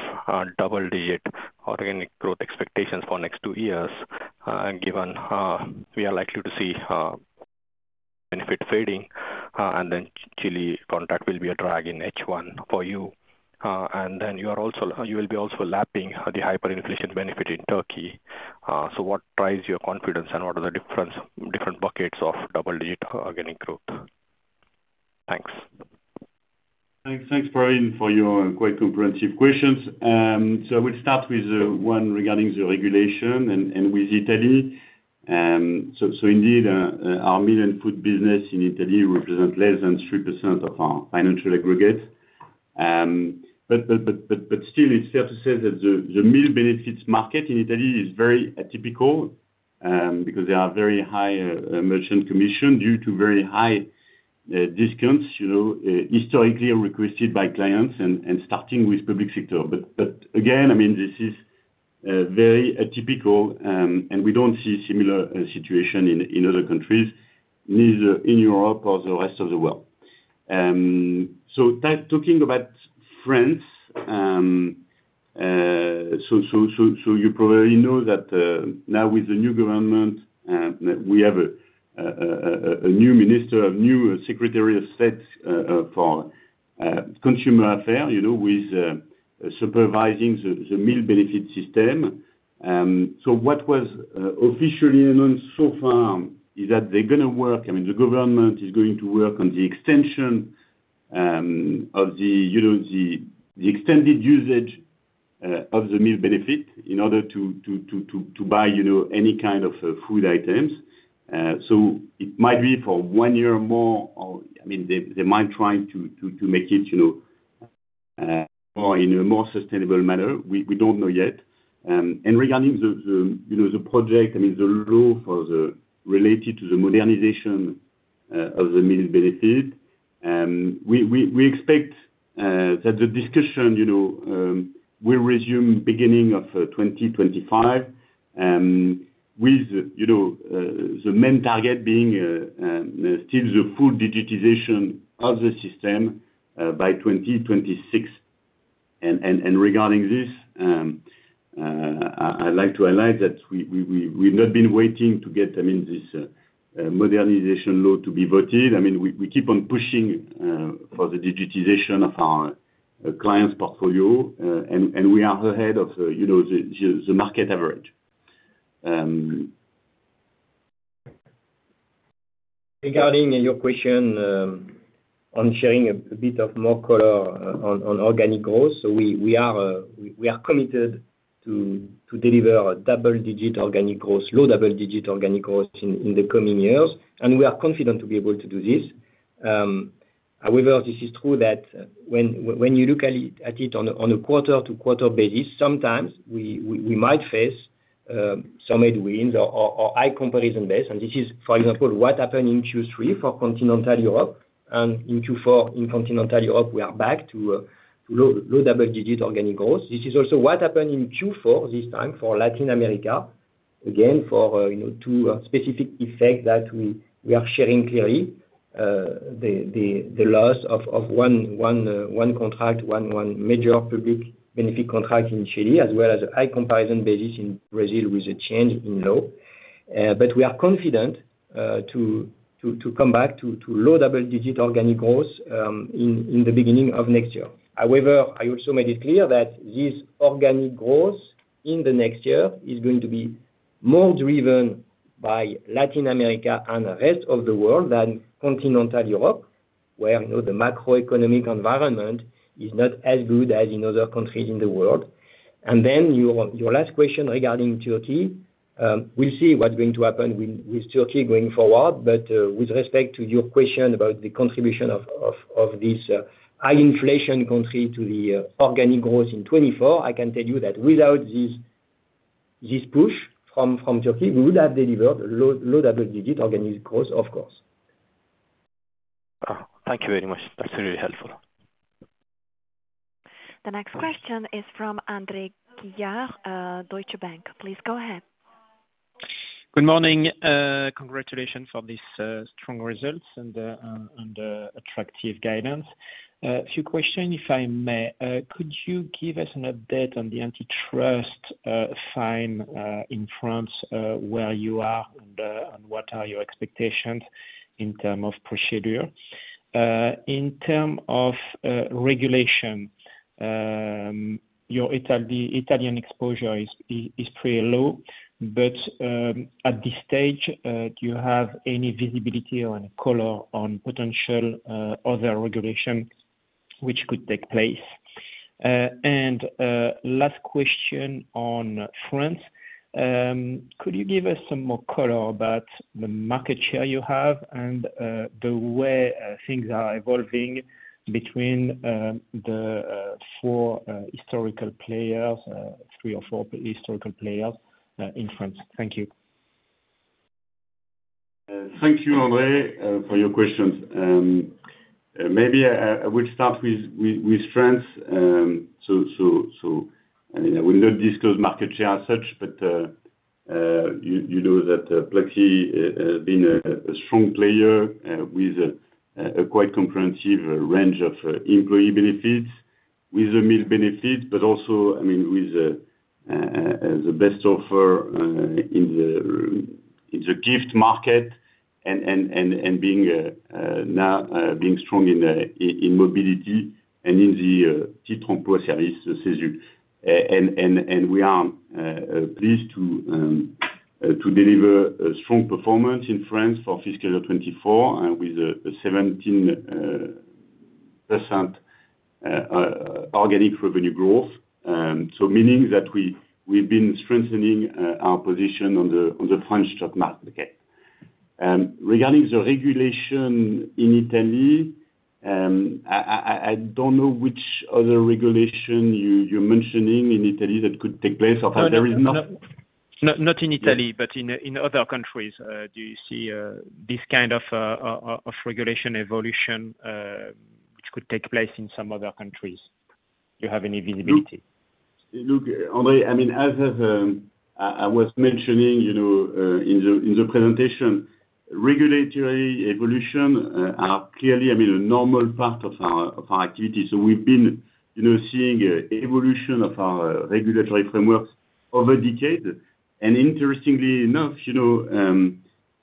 double-digit organic growth expectations for next two years, given we are likely to see benefit fading and then Chile contract will be a drag in H1 for you? And then you will be also lapping the hyperinflation benefit in Turkey. So what drives your confidence and what are the different buckets of double-digit organic growth? Thanks. Thanks, Praveen, for your quite comprehensive questions. So we'll start with one regarding the regulation and with Italy. So indeed, our meal voucher business in Italy represents less than 3% of our financial aggregate. But still, it's fair to say that the meal benefits market in Italy is very atypical because there are very high merchant commissions due to very high discounts historically requested by clients and starting with public sector. But again, I mean, this is very atypical, and we don't see a similar situation in other countries, neither in Europe or the rest of the world. So talking about France, so you probably know that now with the new government, we have a new minister, a new secretary of state for consumer affairs, who is supervising the meal benefit system. So what was officially announced so far is that they're going to work, I mean, the government is going to work on the extension of the extended usage of the meal benefit in order to buy any kind of food items. So it might be for one year or more. I mean, they might try to make it more in a more sustainable manner. We don't know yet. And regarding the project, I mean, the law related to the modernization of the meal benefit, we expect that the discussion will resume beginning of 2025, with the main target being still the full digitization of the system by 2026. Regarding this, I'd like to highlight that we've not been waiting to get, I mean, this modernization law to be voted. I mean, we keep on pushing for the digitization of our clients' portfolio, and we are ahead of the market average. Regarding your question on sharing a bit of more color on organic growth, so we are committed to deliver a double-digit organic growth, low double-digit organic growth in the coming years, and we are confident to be able to do this. However, this is true that when you look at it on a quarter-to-quarter basis, sometimes we might face some headwinds or high comparison base. This is, for example, what happened in Q3 for Continental Europe. In Q4 in Continental Europe, we are back to low double-digit organic growth. This is also what happened in Q4 this time for Latin America, again, for two specific effects that we are sharing clearly: the loss of one contract, one major public benefit contract in Chile, as well as a high comparison basis in Brazil with a change in law. But we are confident to come back to low double-digit organic growth in the beginning of next year. However, I also made it clear that this organic growth in the next year is going to be more driven by Latin America and the Rest of the World than Continental Europe, where the macroeconomic environment is not as good as in other countries in the world. And then your last question regarding Turkey, we'll see what's going to happen with Turkey going forward. But with respect to your question about the contribution of this high-inflation country to the organic growth in 2024, I can tell you that without this push from Turkey, we would have delivered low double-digit organic growth, of course. Thank you very much. That's really helpful. The next question is from André Juillard, Deutsche Bank. Please go ahead. Good morning. Congratulations for these strong results and attractive guidance. A few questions, if I may. Could you give us an update on the antitrust fine in France, where you are, and what are your expectations in terms of procedure? In terms of regulation, your Italian exposure is pretty low, but at this stage, do you have any visibility or any color on potential other regulations which could take place? And last question on France. Could you give us some more color about the market share you have and the way things are evolving between the four historical players, three or four historical players in France? Thank you. Thank you, André, for your questions. Maybe I will start with France. So I mean, I will not disclose market share as such, but you know that Pluxee has been a strong player with a quite comprehensive range of employee benefits, with the meal benefits, but also, I mean, with the best offer in the gift market and being strong in mobility and in the Titre Emploi Service, the CESU. And we are pleased to deliver a strong performance in France for fiscal year 2024 with a 17% organic revenue growth, so meaning that we've been strengthening our position on the French market. Regarding the regulation in Italy, I don't know which other regulation you're mentioning in Italy that could take place. Not in Italy, but in other countries, do you see this kind of regulation evolution which could take place in some other countries? Do you have any visibility? Look, André, I mean, as I was mentioning in the presentation, regulatory evolution are clearly, I mean, a normal part of our activity. So we've been seeing evolution of our regulatory frameworks over decades, and interestingly enough,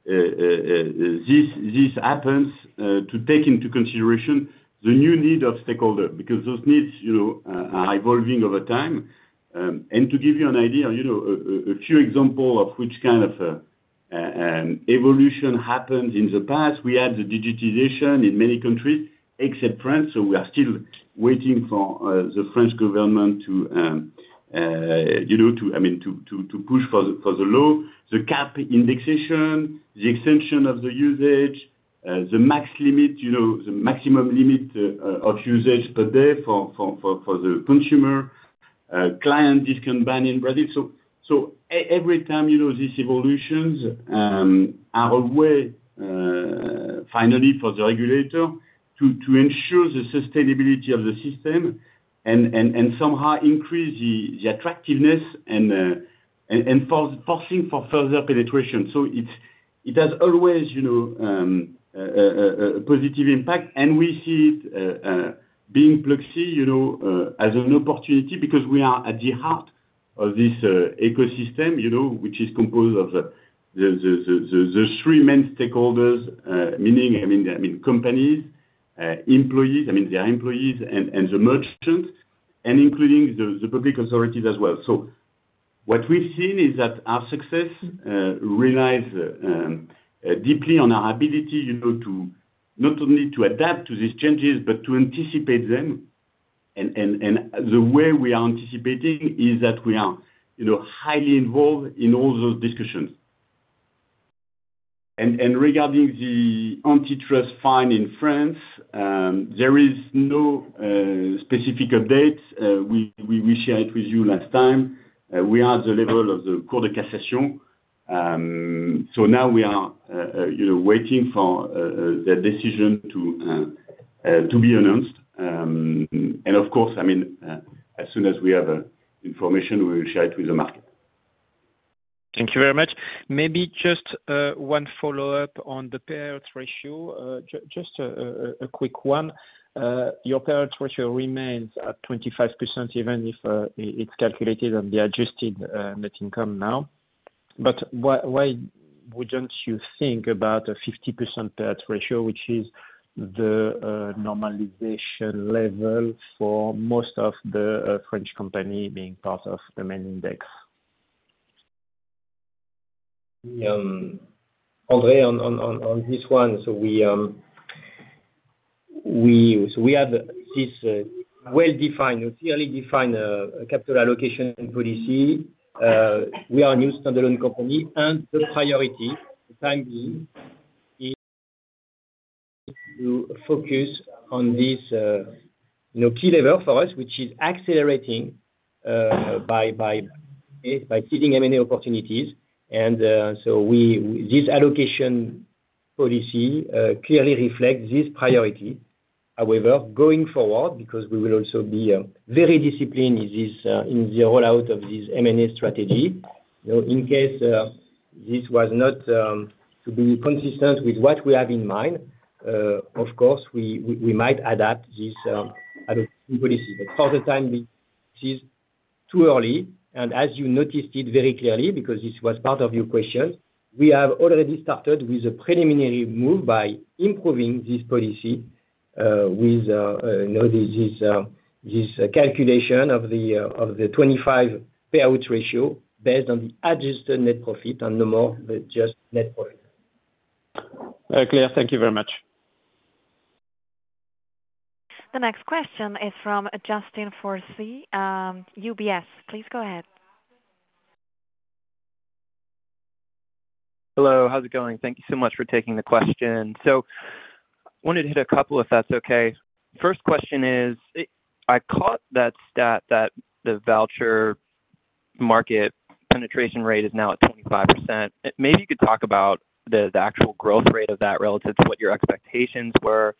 this happens to take into consideration the new needs of stakeholders because those needs are evolving over time, and to give you an idea, a few examples of which kind of evolution happens in the past, we had the digitization in many countries, except France. So we are still waiting for the French government to, I mean, to push for the law, the cap indexation, the extension of the usage, the maximum limit of usage per day for the consumer, client discount ban in Brazil. So every time these evolutions are a way, finally, for the regulator to ensure the sustainability of the system and somehow increase the attractiveness and forcing for further penetration. So it has always a positive impact. And we see it being Pluxee as an opportunity because we are at the heart of this ecosystem, which is composed of the three main stakeholders, meaning, I mean, companies, employees, I mean, their employees, and the merchants, and including the public authorities as well. So what we've seen is that our success relies deeply on our ability not only to adapt to these changes, but to anticipate them. The way we are anticipating is that we are highly involved in all those discussions. Regarding the antitrust fine in France, there is no specific update. We shared with you last time. We are at the level of the Cour de Cassation. Now we are waiting for the decision to be announced. Of course, I mean, as soon as we have information, we will share it with the market. Thank you very much. Maybe just one follow-up on the payout ratio. Just a quick one. Your payout ratio remains at 25%, even if it's calculated on the adjusted net income now. Why wouldn't you think about a 50% payout ratio, which is the normalization level for most of the French companies being part of the main index? André, on this one, so we have this well-defined, clearly defined capital allocation policy. We are a new standalone company, and the priority for the time being to focus on this key lever for us, which is accelerating by seeding M&A opportunities. And so this allocation policy clearly reflects this priority. However, going forward, because we will also be very disciplined in the rollout of this M&A strategy, in case this was not to be consistent with what we have in mind, of course, we might adapt this allocation policy. But for the time, it is too early. And as you noticed it very clearly, because this was part of your question, we have already started with a preliminary move by improving this policy with this calculation of the 25 payout ratio based on the adjusted net profit and no more than just net profit. Very clear. Thank you very much. The next question is from Justin Forsythe, UBS. Please go ahead. Hello. How's it going? Thank you so much for taking the question. So I wanted to hit a couple if that's okay. First question is, I caught that stat that the voucher market penetration rate is now at 25%. Maybe you could talk about the actual growth rate of that relative to what your expectations were.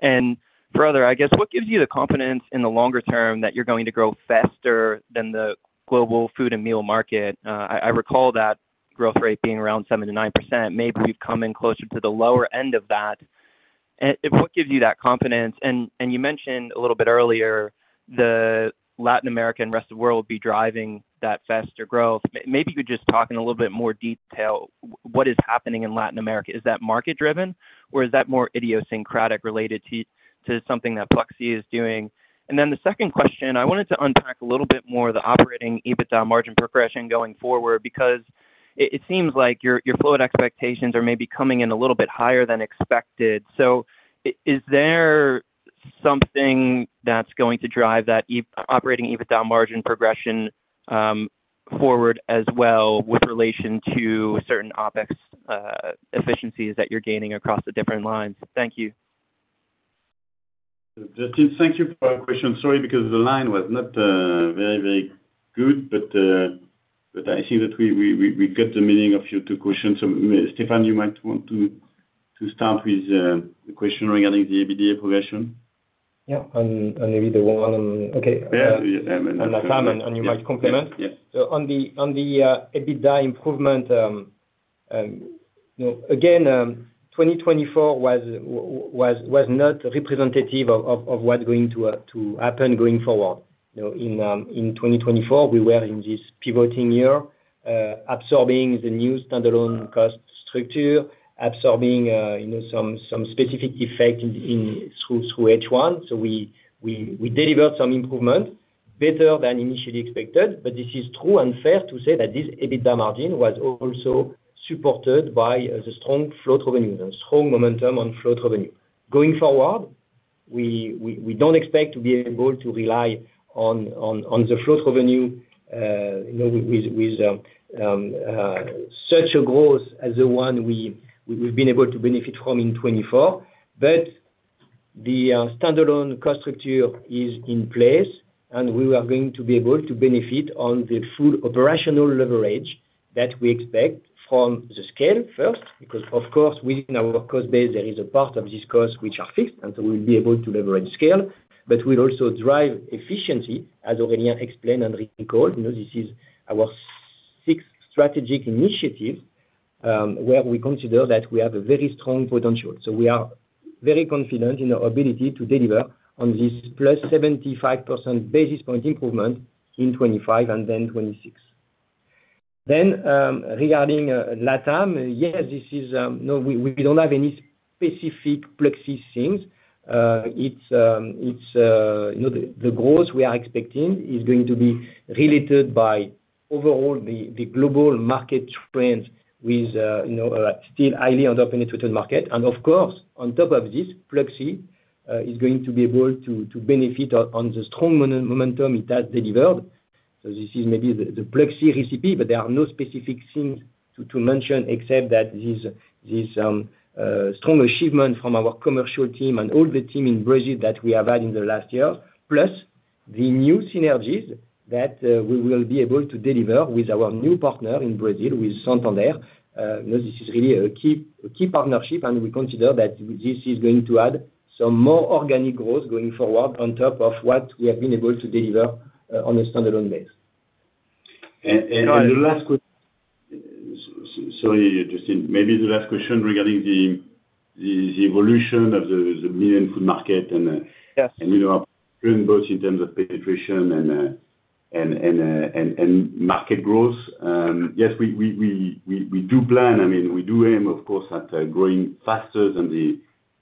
And further, I guess, what gives you the confidence in the longer term that you're going to grow faster than the global food and meal market? I recall that growth rate being around 7%-9%. Maybe we've come in closer to the lower end of that. What gives you that confidence? And you mentioned a little bit earlier the Latin America and Rest of the World would be driving that faster growth. Maybe you could just talk in a little bit more detail what is happening in Latin America. Is that market-driven, or is that more idiosyncratic related to something that Pluxee is doing? And then the second question, I wanted to unpack a little bit more the operating EBITDA margin progression going forward because it seems like your float expectations are maybe coming in a little bit higher than expected. So is there something that's going to drive that operating EBITDA margin progression forward as well with relation to certain OpEx efficiencies that you're gaining across the different lines? Thank you. Justin, thank you for your question. Sorry because the line was not very, very good, but I see that we got the meaning of your two questions. So Stéphane, you might want to start with the question regarding the EBITDA progression? Yeah. And maybe the one on okay. And I'm on. And you might complement. On the EBITDA improvement, again, 2024 was not representative of what's going to happen going forward. In 2024, we were in this pivoting year, absorbing the new standalone cost structure, absorbing some specific effect through H1. So we delivered some improvement, better than initially expected. But this is true and fair to say that this EBITDA margin was also supported by the strong float revenue, the strong momentum on float revenue. Going forward, we don't expect to be able to rely on the float revenue with such a growth as the one we've been able to benefit from in 2024. But the standalone cost structure is in place, and we are going to be able to benefit on the full operational leverage that we expect from the scale first because, of course, within our cost base, there is a part of these costs which are fixed, and so we'll be able to leverage scale. But we'll also drive efficiency, as Aurélien explained and recalled. This is our sixth strategic initiative where we consider that we have a very strong potential. So we are very confident in our ability to deliver on this +75 basis points improvement in 2025 and then 2026. Then regarding LATAM, yes, we don't have any specific Pluxee things. The growth we are expecting is going to be related by overall the global market trends with still highly underpenetrated market. Of course, on top of this, Pluxee is going to be able to benefit on the strong momentum it has delivered. This is maybe the Pluxee recipe, but there are no specific things to mention except that this strong achievement from our commercial team and all the team in Brazil that we have had in the last years, plus the new synergies that we will be able to deliver with our new partner in Brazil, with Santander. This is really a key partnership, and we consider that this is going to add some more organic growth going forward on top of what we have been able to deliver on a standalone base. The last question. Sorry, Justin. Maybe the last question regarding the evolution of the multi-benefit market and our trend both in terms of penetration and market growth. Yes, we do plan. I mean, we do aim, of course, at growing faster than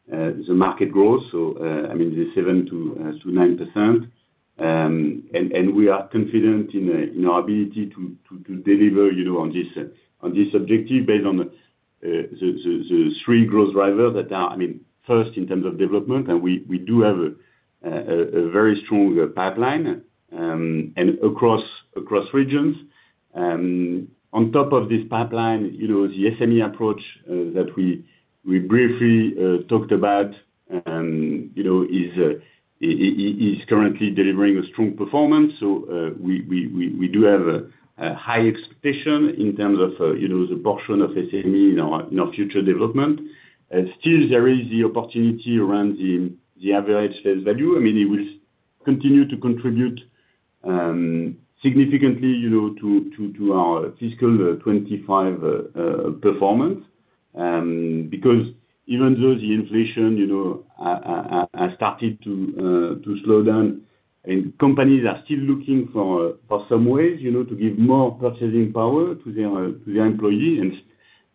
the market growth, so I mean, the 7%-9%, and we are confident in our ability to deliver on this objective based on the three growth drivers that are, I mean, first, in terms of development, and we do have a very strong pipeline across regions. On top of this pipeline, the SME approach that we briefly talked about is currently delivering a strong performance, so we do have a high expectation in terms of the portion of SME in our future development. Still, there is the opportunity around the average sales value. I mean, it will continue to contribute significantly to our fiscal 2025 performance because even though the inflation has started to slow down, companies are still looking for some ways to give more purchasing power to their employees.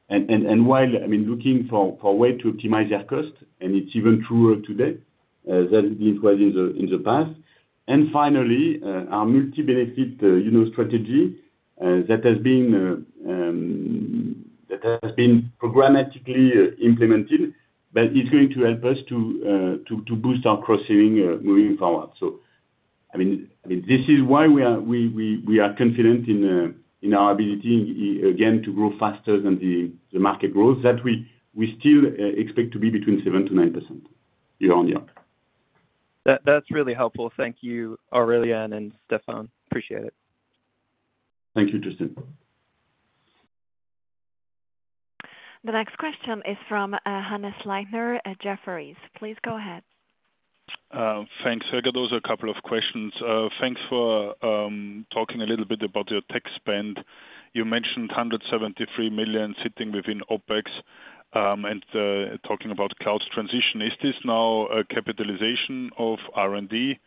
And while looking for a way to optimize their cost, and it's even truer today than it was in the past. And finally, our multi-benefit strategy that has been programmatically implemented, but it's going to help us to boost our cross-selling moving forward. So I mean, this is why we are confident in our ability, again, to grow faster than the market growth, that we still expect to be between 7%-9% year on year. That's really helpful. Thank you, Aurélien and Stéphane. Appreciate it. Thank you, Justin. The next question is from Hannes Leitner at Jefferies. Please go ahead. Thanks, Hege. Those are a couple of questions. Thanks for talking a little bit about your tech spend. You mentioned 173 million sitting within OpEx and talking about cloud transition. Is this now a capitalization of R&D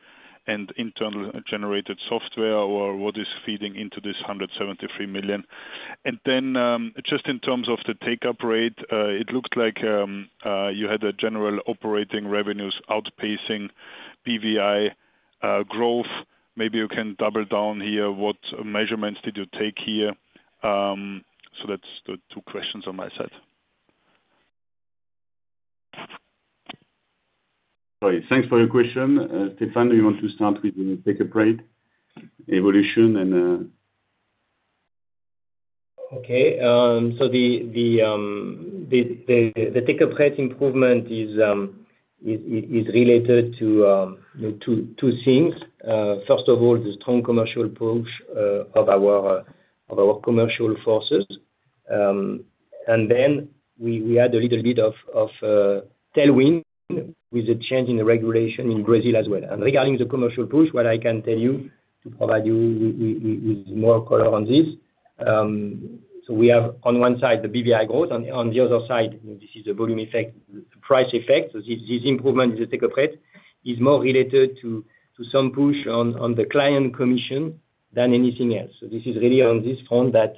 and internal-generated software, or what is feeding into this 173 million? And then, just in terms of the take-up rate, it looked like you had general operating revenues outpacing BVI growth. Maybe you can double down here. What measurements did you take here? So that's the two questions on my side. Sorry. Thanks for your question. Stéphane, do you want to start with the take-up rate evolution and? Okay. So the take-up rate improvement is related to two things. First of all, the strong commercial push of our commercial forces. And then we had a little bit of tailwind with the change in the regulation in Brazil as well. And regarding the commercial push, what I can tell you to provide you with more color on this, so we have on one side the BVI growth, and on the other side, this is the volume effect, the price effect. This improvement in the take-up rate is more related to some push on the client commission than anything else. This is really on this front that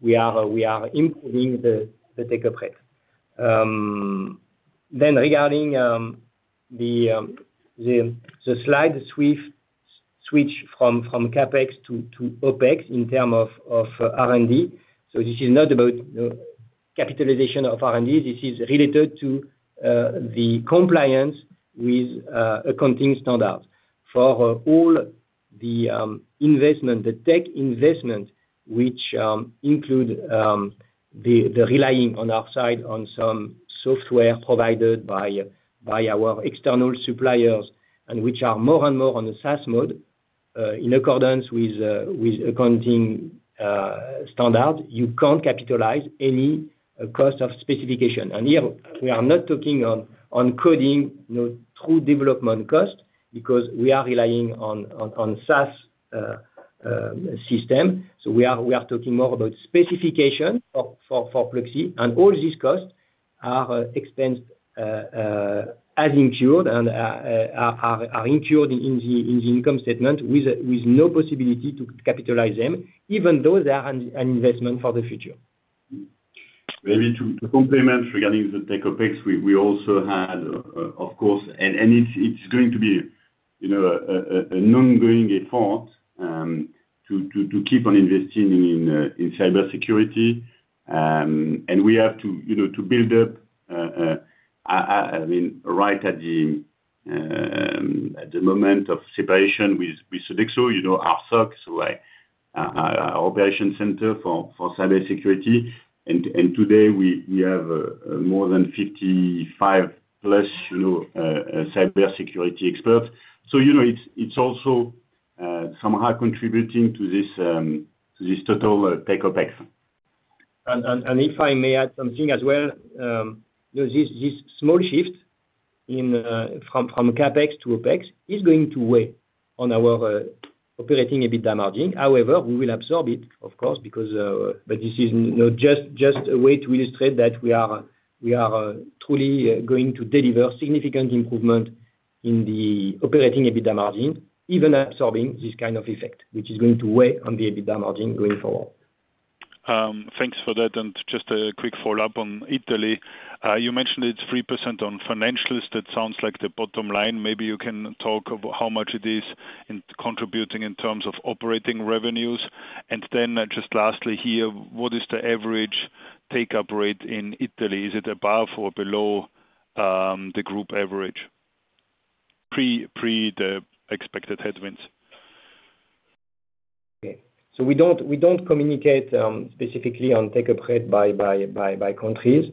we are improving the take-up rate. Regarding the slight switch from CapEx to OpEx in terms of R&D, this is not about capitalization of R&D. This is related to the compliance with accounting standards for all the investment, the tech investment, which include the relying on our side on some software provided by our external suppliers and which are more and more on the SaaS mode in accordance with accounting standards. You can't capitalize any cost of subscription. Here, we are not talking about coding or development costs because we are relying on SaaS systems. So we are talking more about specifications for Pluxee, and all these costs are expensed as incurred and are incurred in the income statement with no possibility to capitalize them, even though they are an investment for the future. Maybe to complement regarding the take-up rates, we also had, of course, and it's going to be an ongoing effort to keep on investing in cybersecurity. And we have to build up, I mean, right at the moment of separation with Sodexo, our SOC, so our operations center for cybersecurity. And today, we have more than 55+ cybersecurity experts. So it's also somehow contributing to this total take-up rate. And if I may add something as well, this small shift from CapEx to OpEx is going to weigh on our operating EBITDA margin. However, we will absorb it, of course, because this is just a way to illustrate that we are truly going to deliver significant improvement in the operating EBITDA margin, even absorbing this kind of effect, which is going to weigh on the EBITDA margin going forward. Thanks for that, and just a quick follow-up on Italy. You mentioned it's 3% on financials. That sounds like the bottom line. Maybe you can talk about how much it is contributing in terms of operating revenues, and then just lastly here, what is the average take-up rate in Italy? Is it above or below the group average pre the expected headwinds? Okay, so we don't communicate specifically on take-up rate by countries,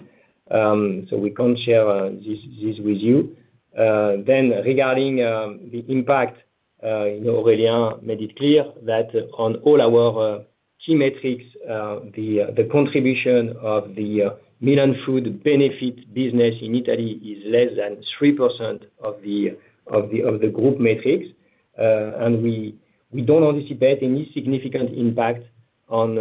so we can't share this with you. Then regarding the impact, Aurélien made it clear that on all our key metrics, the contribution of the multi-benefit business in Italy is less than 3% of the group metrics. And we don't anticipate any significant impact from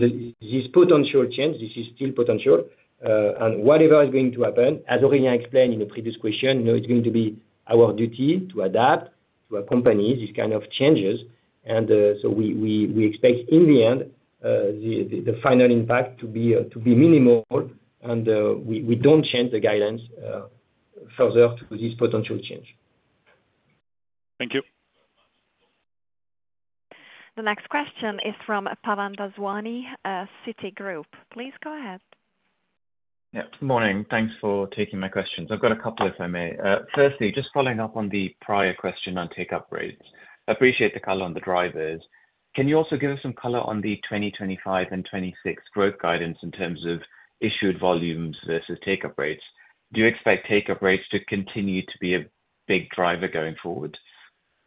this potential change. This is still potential. And whatever is going to happen, as Aurélien explained in the previous question, it's going to be our duty to adapt to accompany these kinds of changes. And so we expect in the end, the final impact to be minimal, and we don't change the guidance further to this potential change. Thank you. The next question is from Pavan Daswani, Citi. Please go ahead. Good morning. Thanks for taking my questions. I've got a couple if I may. Firstly, just following up on the prior question on take-up rates, I appreciate the color on the drivers. Can you also give us some color on the 2025 and 2026 growth guidance in terms of issued volumes versus take-up rates? Do you expect take-up rates to continue to be a big driver going forward?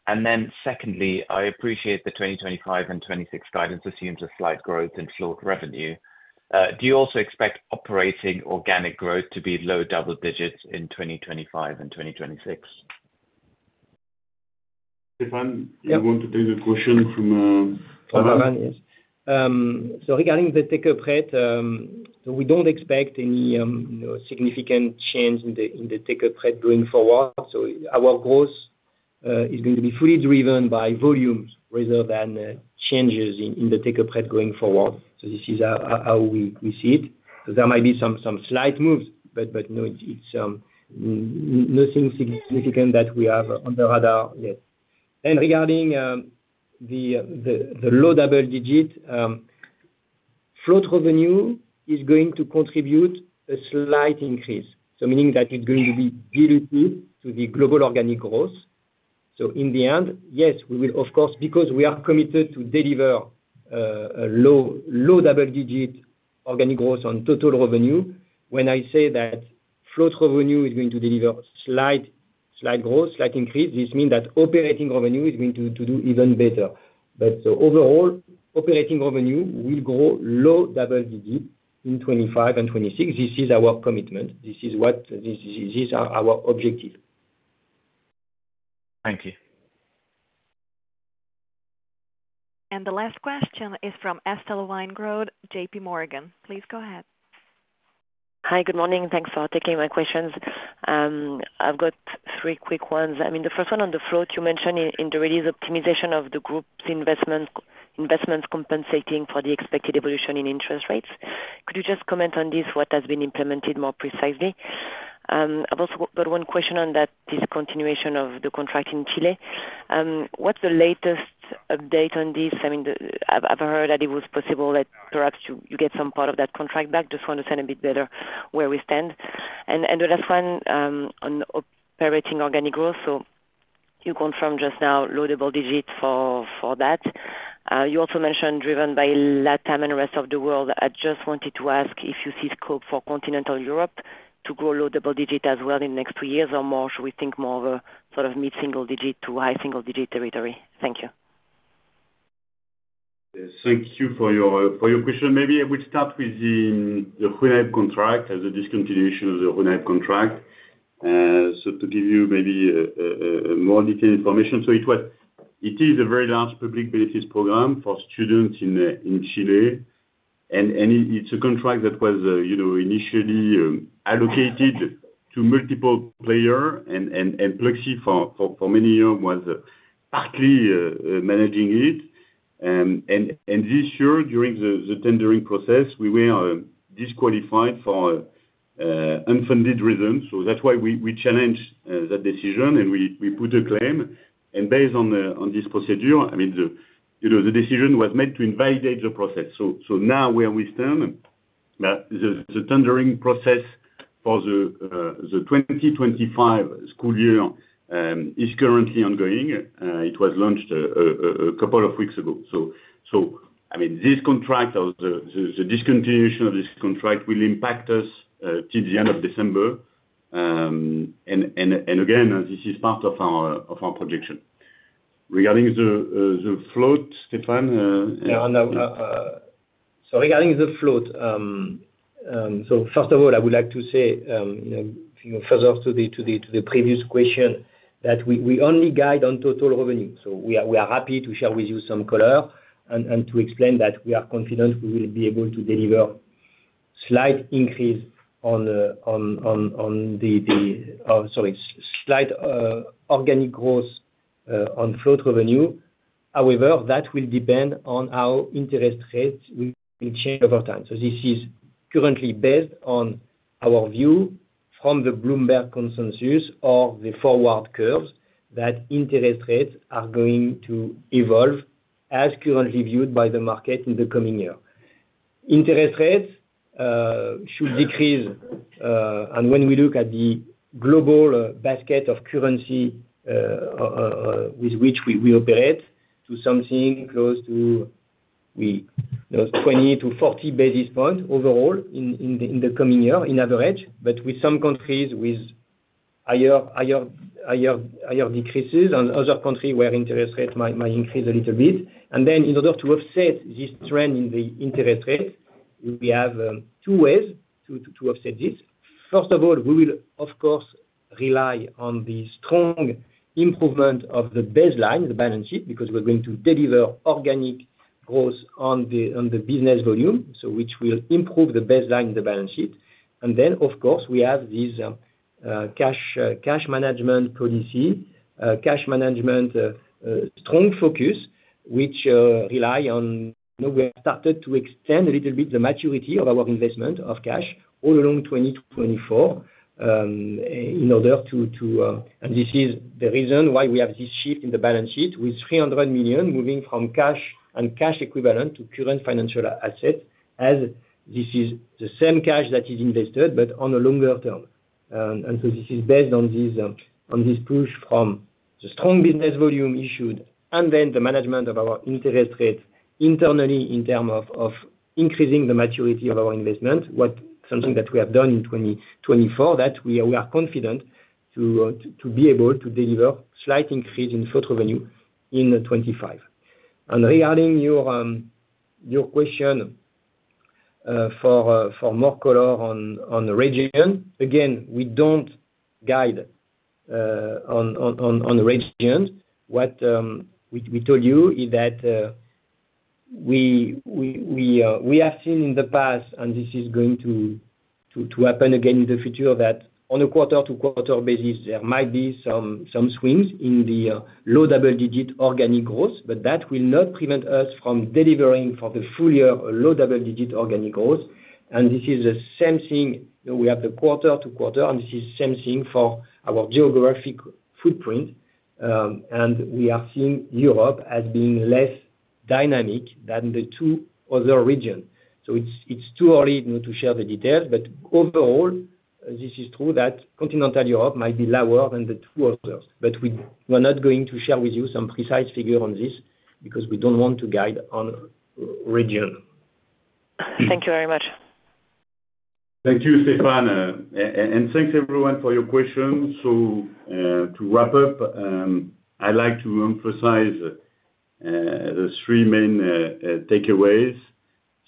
And then secondly, I appreciate the 2025 and 2026 guidance assumes a slight growth in float revenue. Do you also expect operating organic growth to be low double digits in 2025 and 2026? Stéphane, you want to take a question from Pavan? So, regarding the take-up rate, we don't expect any significant change in the take-up rate going forward. So, our growth is going to be fully driven by volumes rather than changes in the take-up rate going forward. So, this is how we see it. So, there might be some slight moves, but no, it's nothing significant that we have on the radar yet. And regarding the low double digit, float revenue is going to contribute a slight increase, so meaning that it's going to be diluted to the global organic growth. So in the end, yes, we will, of course, because we are committed to deliver a low double digit organic growth on total revenue. When I say that float revenue is going to deliver slight growth, slight increase, this means that operating revenue is going to do even better. But overall, operating revenue will grow low double digit in 2025 and 2026. This is our commitment. This is our objective. Thank you. And the last question is from Estelle Weingrod, JPMorgan. Please go ahead. Hi, good morning. Thanks for taking my questions. I've got three quick ones. I mean, the first one on the float, you mentioned in the release, optimization of the group's investments compensating for the expected evolution in interest rates. Could you just comment on this, what has been implemented more precisely? I've also got one question on that discontinuation of the contract in Chile. What's the latest update on this? I mean, I've heard that it was possible that perhaps you get some part of that contract back. Just want to understand a bit better where we stand, and the last one on operating organic growth, so you confirmed just now low double digit for that. You also mentioned driven by LATAM and rest of the world. I just wanted to ask if you see scope for continental Europe to grow low double digit as well in the next two years or more? Should we think more of a sort of mid-single digit to high single digit territory? Thank you. Thank you for your question. Maybe I would start with the Junaeb contract, the discontinuation of the Junaeb contract. So to give you maybe more detailed information. So it is a very large public benefits program for students in Chile. And it's a contract that was initially allocated to multiple players, and Pluxee for many years was partly managing it. And this year, during the tendering process, we were disqualified for unfounded reasons. So that's why we challenged that decision, and we put a claim. And based on this procedure, I mean, the decision was made to invalidate the process. So now we are waiting. The tendering process for the 2025 school year is currently ongoing. It was launched a couple of weeks ago. So I mean, this contract, the discontinuation of this contract will impact us till the end of December. And again, this is part of our projection. Regarding the float, Stéphane? Yeah. So regarding the float, so first of all, I would like to say further to the previous question that we only guide on total revenue. So we are happy to share with you some color and to explain that we are confident we will be able to deliver a slight increase on the, sorry, slight organic growth on float revenue. However, that will depend on how interest rates will change over time. So this is currently based on our view from the Bloomberg consensus or the forward curves that interest rates are going to evolve as currently viewed by the market in the coming year. Interest rates should decrease. When we look at the global basket of currency with which we operate to something close to 20-40 basis points overall in the coming year in average, but with some countries with higher decreases and other countries where interest rates might increase a little bit. Then in order to offset this trend in the interest rates, we have two ways to offset this. First of all, we will, of course, rely on the strong improvement of the baseline, the balance sheet, because we're going to deliver organic growth on the business volume, which will improve the baseline, the balance sheet. Of course, we have this cash management policy, cash management, strong focus, which relies on we have started to extend a little bit the maturity of our investment of cash all along 2024 in order to, and this is the reason why we have this shift in the balance sheet with 300 million moving from cash and cash equivalent to current financial assets as this is the same cash that is invested but on a longer term. And so this is based on this push from the strong business volume issued and then the management of our interest rates internally in terms of increasing the maturity of our investment, something that we have done in 2024 that we are confident to be able to deliver a slight increase in float revenue in 2025. Regarding your question for more color on the region, again, we don't guide on the region. What we told you is that we have seen in the past, and this is going to happen again in the future, that on a quarter-to-quarter basis, there might be some swings in the low double-digit organic growth, but that will not prevent us from delivering for the full year low double-digit organic growth. This is the same thing. We have the quarter-to-quarter, and this is the same thing for our geographic footprint. We are seeing Europe as being less dynamic than the two other regions. It's too early to share the details, but overall, this is true that Continental Europe might be lower than the two others. But we are not going to share with you some precise figure on this because we don't want to guide on region. Thank you very much. Thank you, Stéphane. And thanks, everyone, for your questions. So to wrap up, I'd like to emphasize the three main takeaways.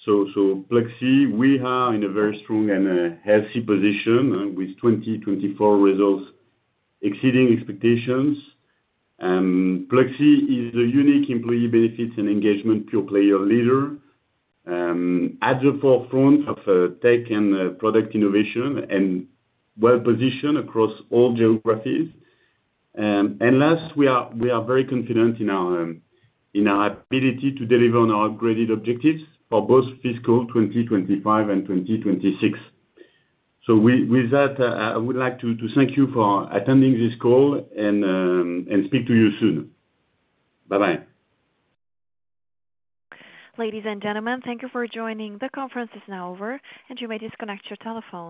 So Pluxee, we are in a very strong and healthy position with 2024 results exceeding expectations. Pluxee is a unique employee benefits and engagement pure player leader at the forefront of tech and product innovation and well-positioned across all geographies. And last, we are very confident in our ability to deliver on our upgraded objectives for both fiscal 2025 and 2026. So with that, I would like to thank you for attending this call and speak to you soon. Bye-bye. Ladies and gentlemen, thank you for joining. The conference is now over, and you may disconnect your telephone.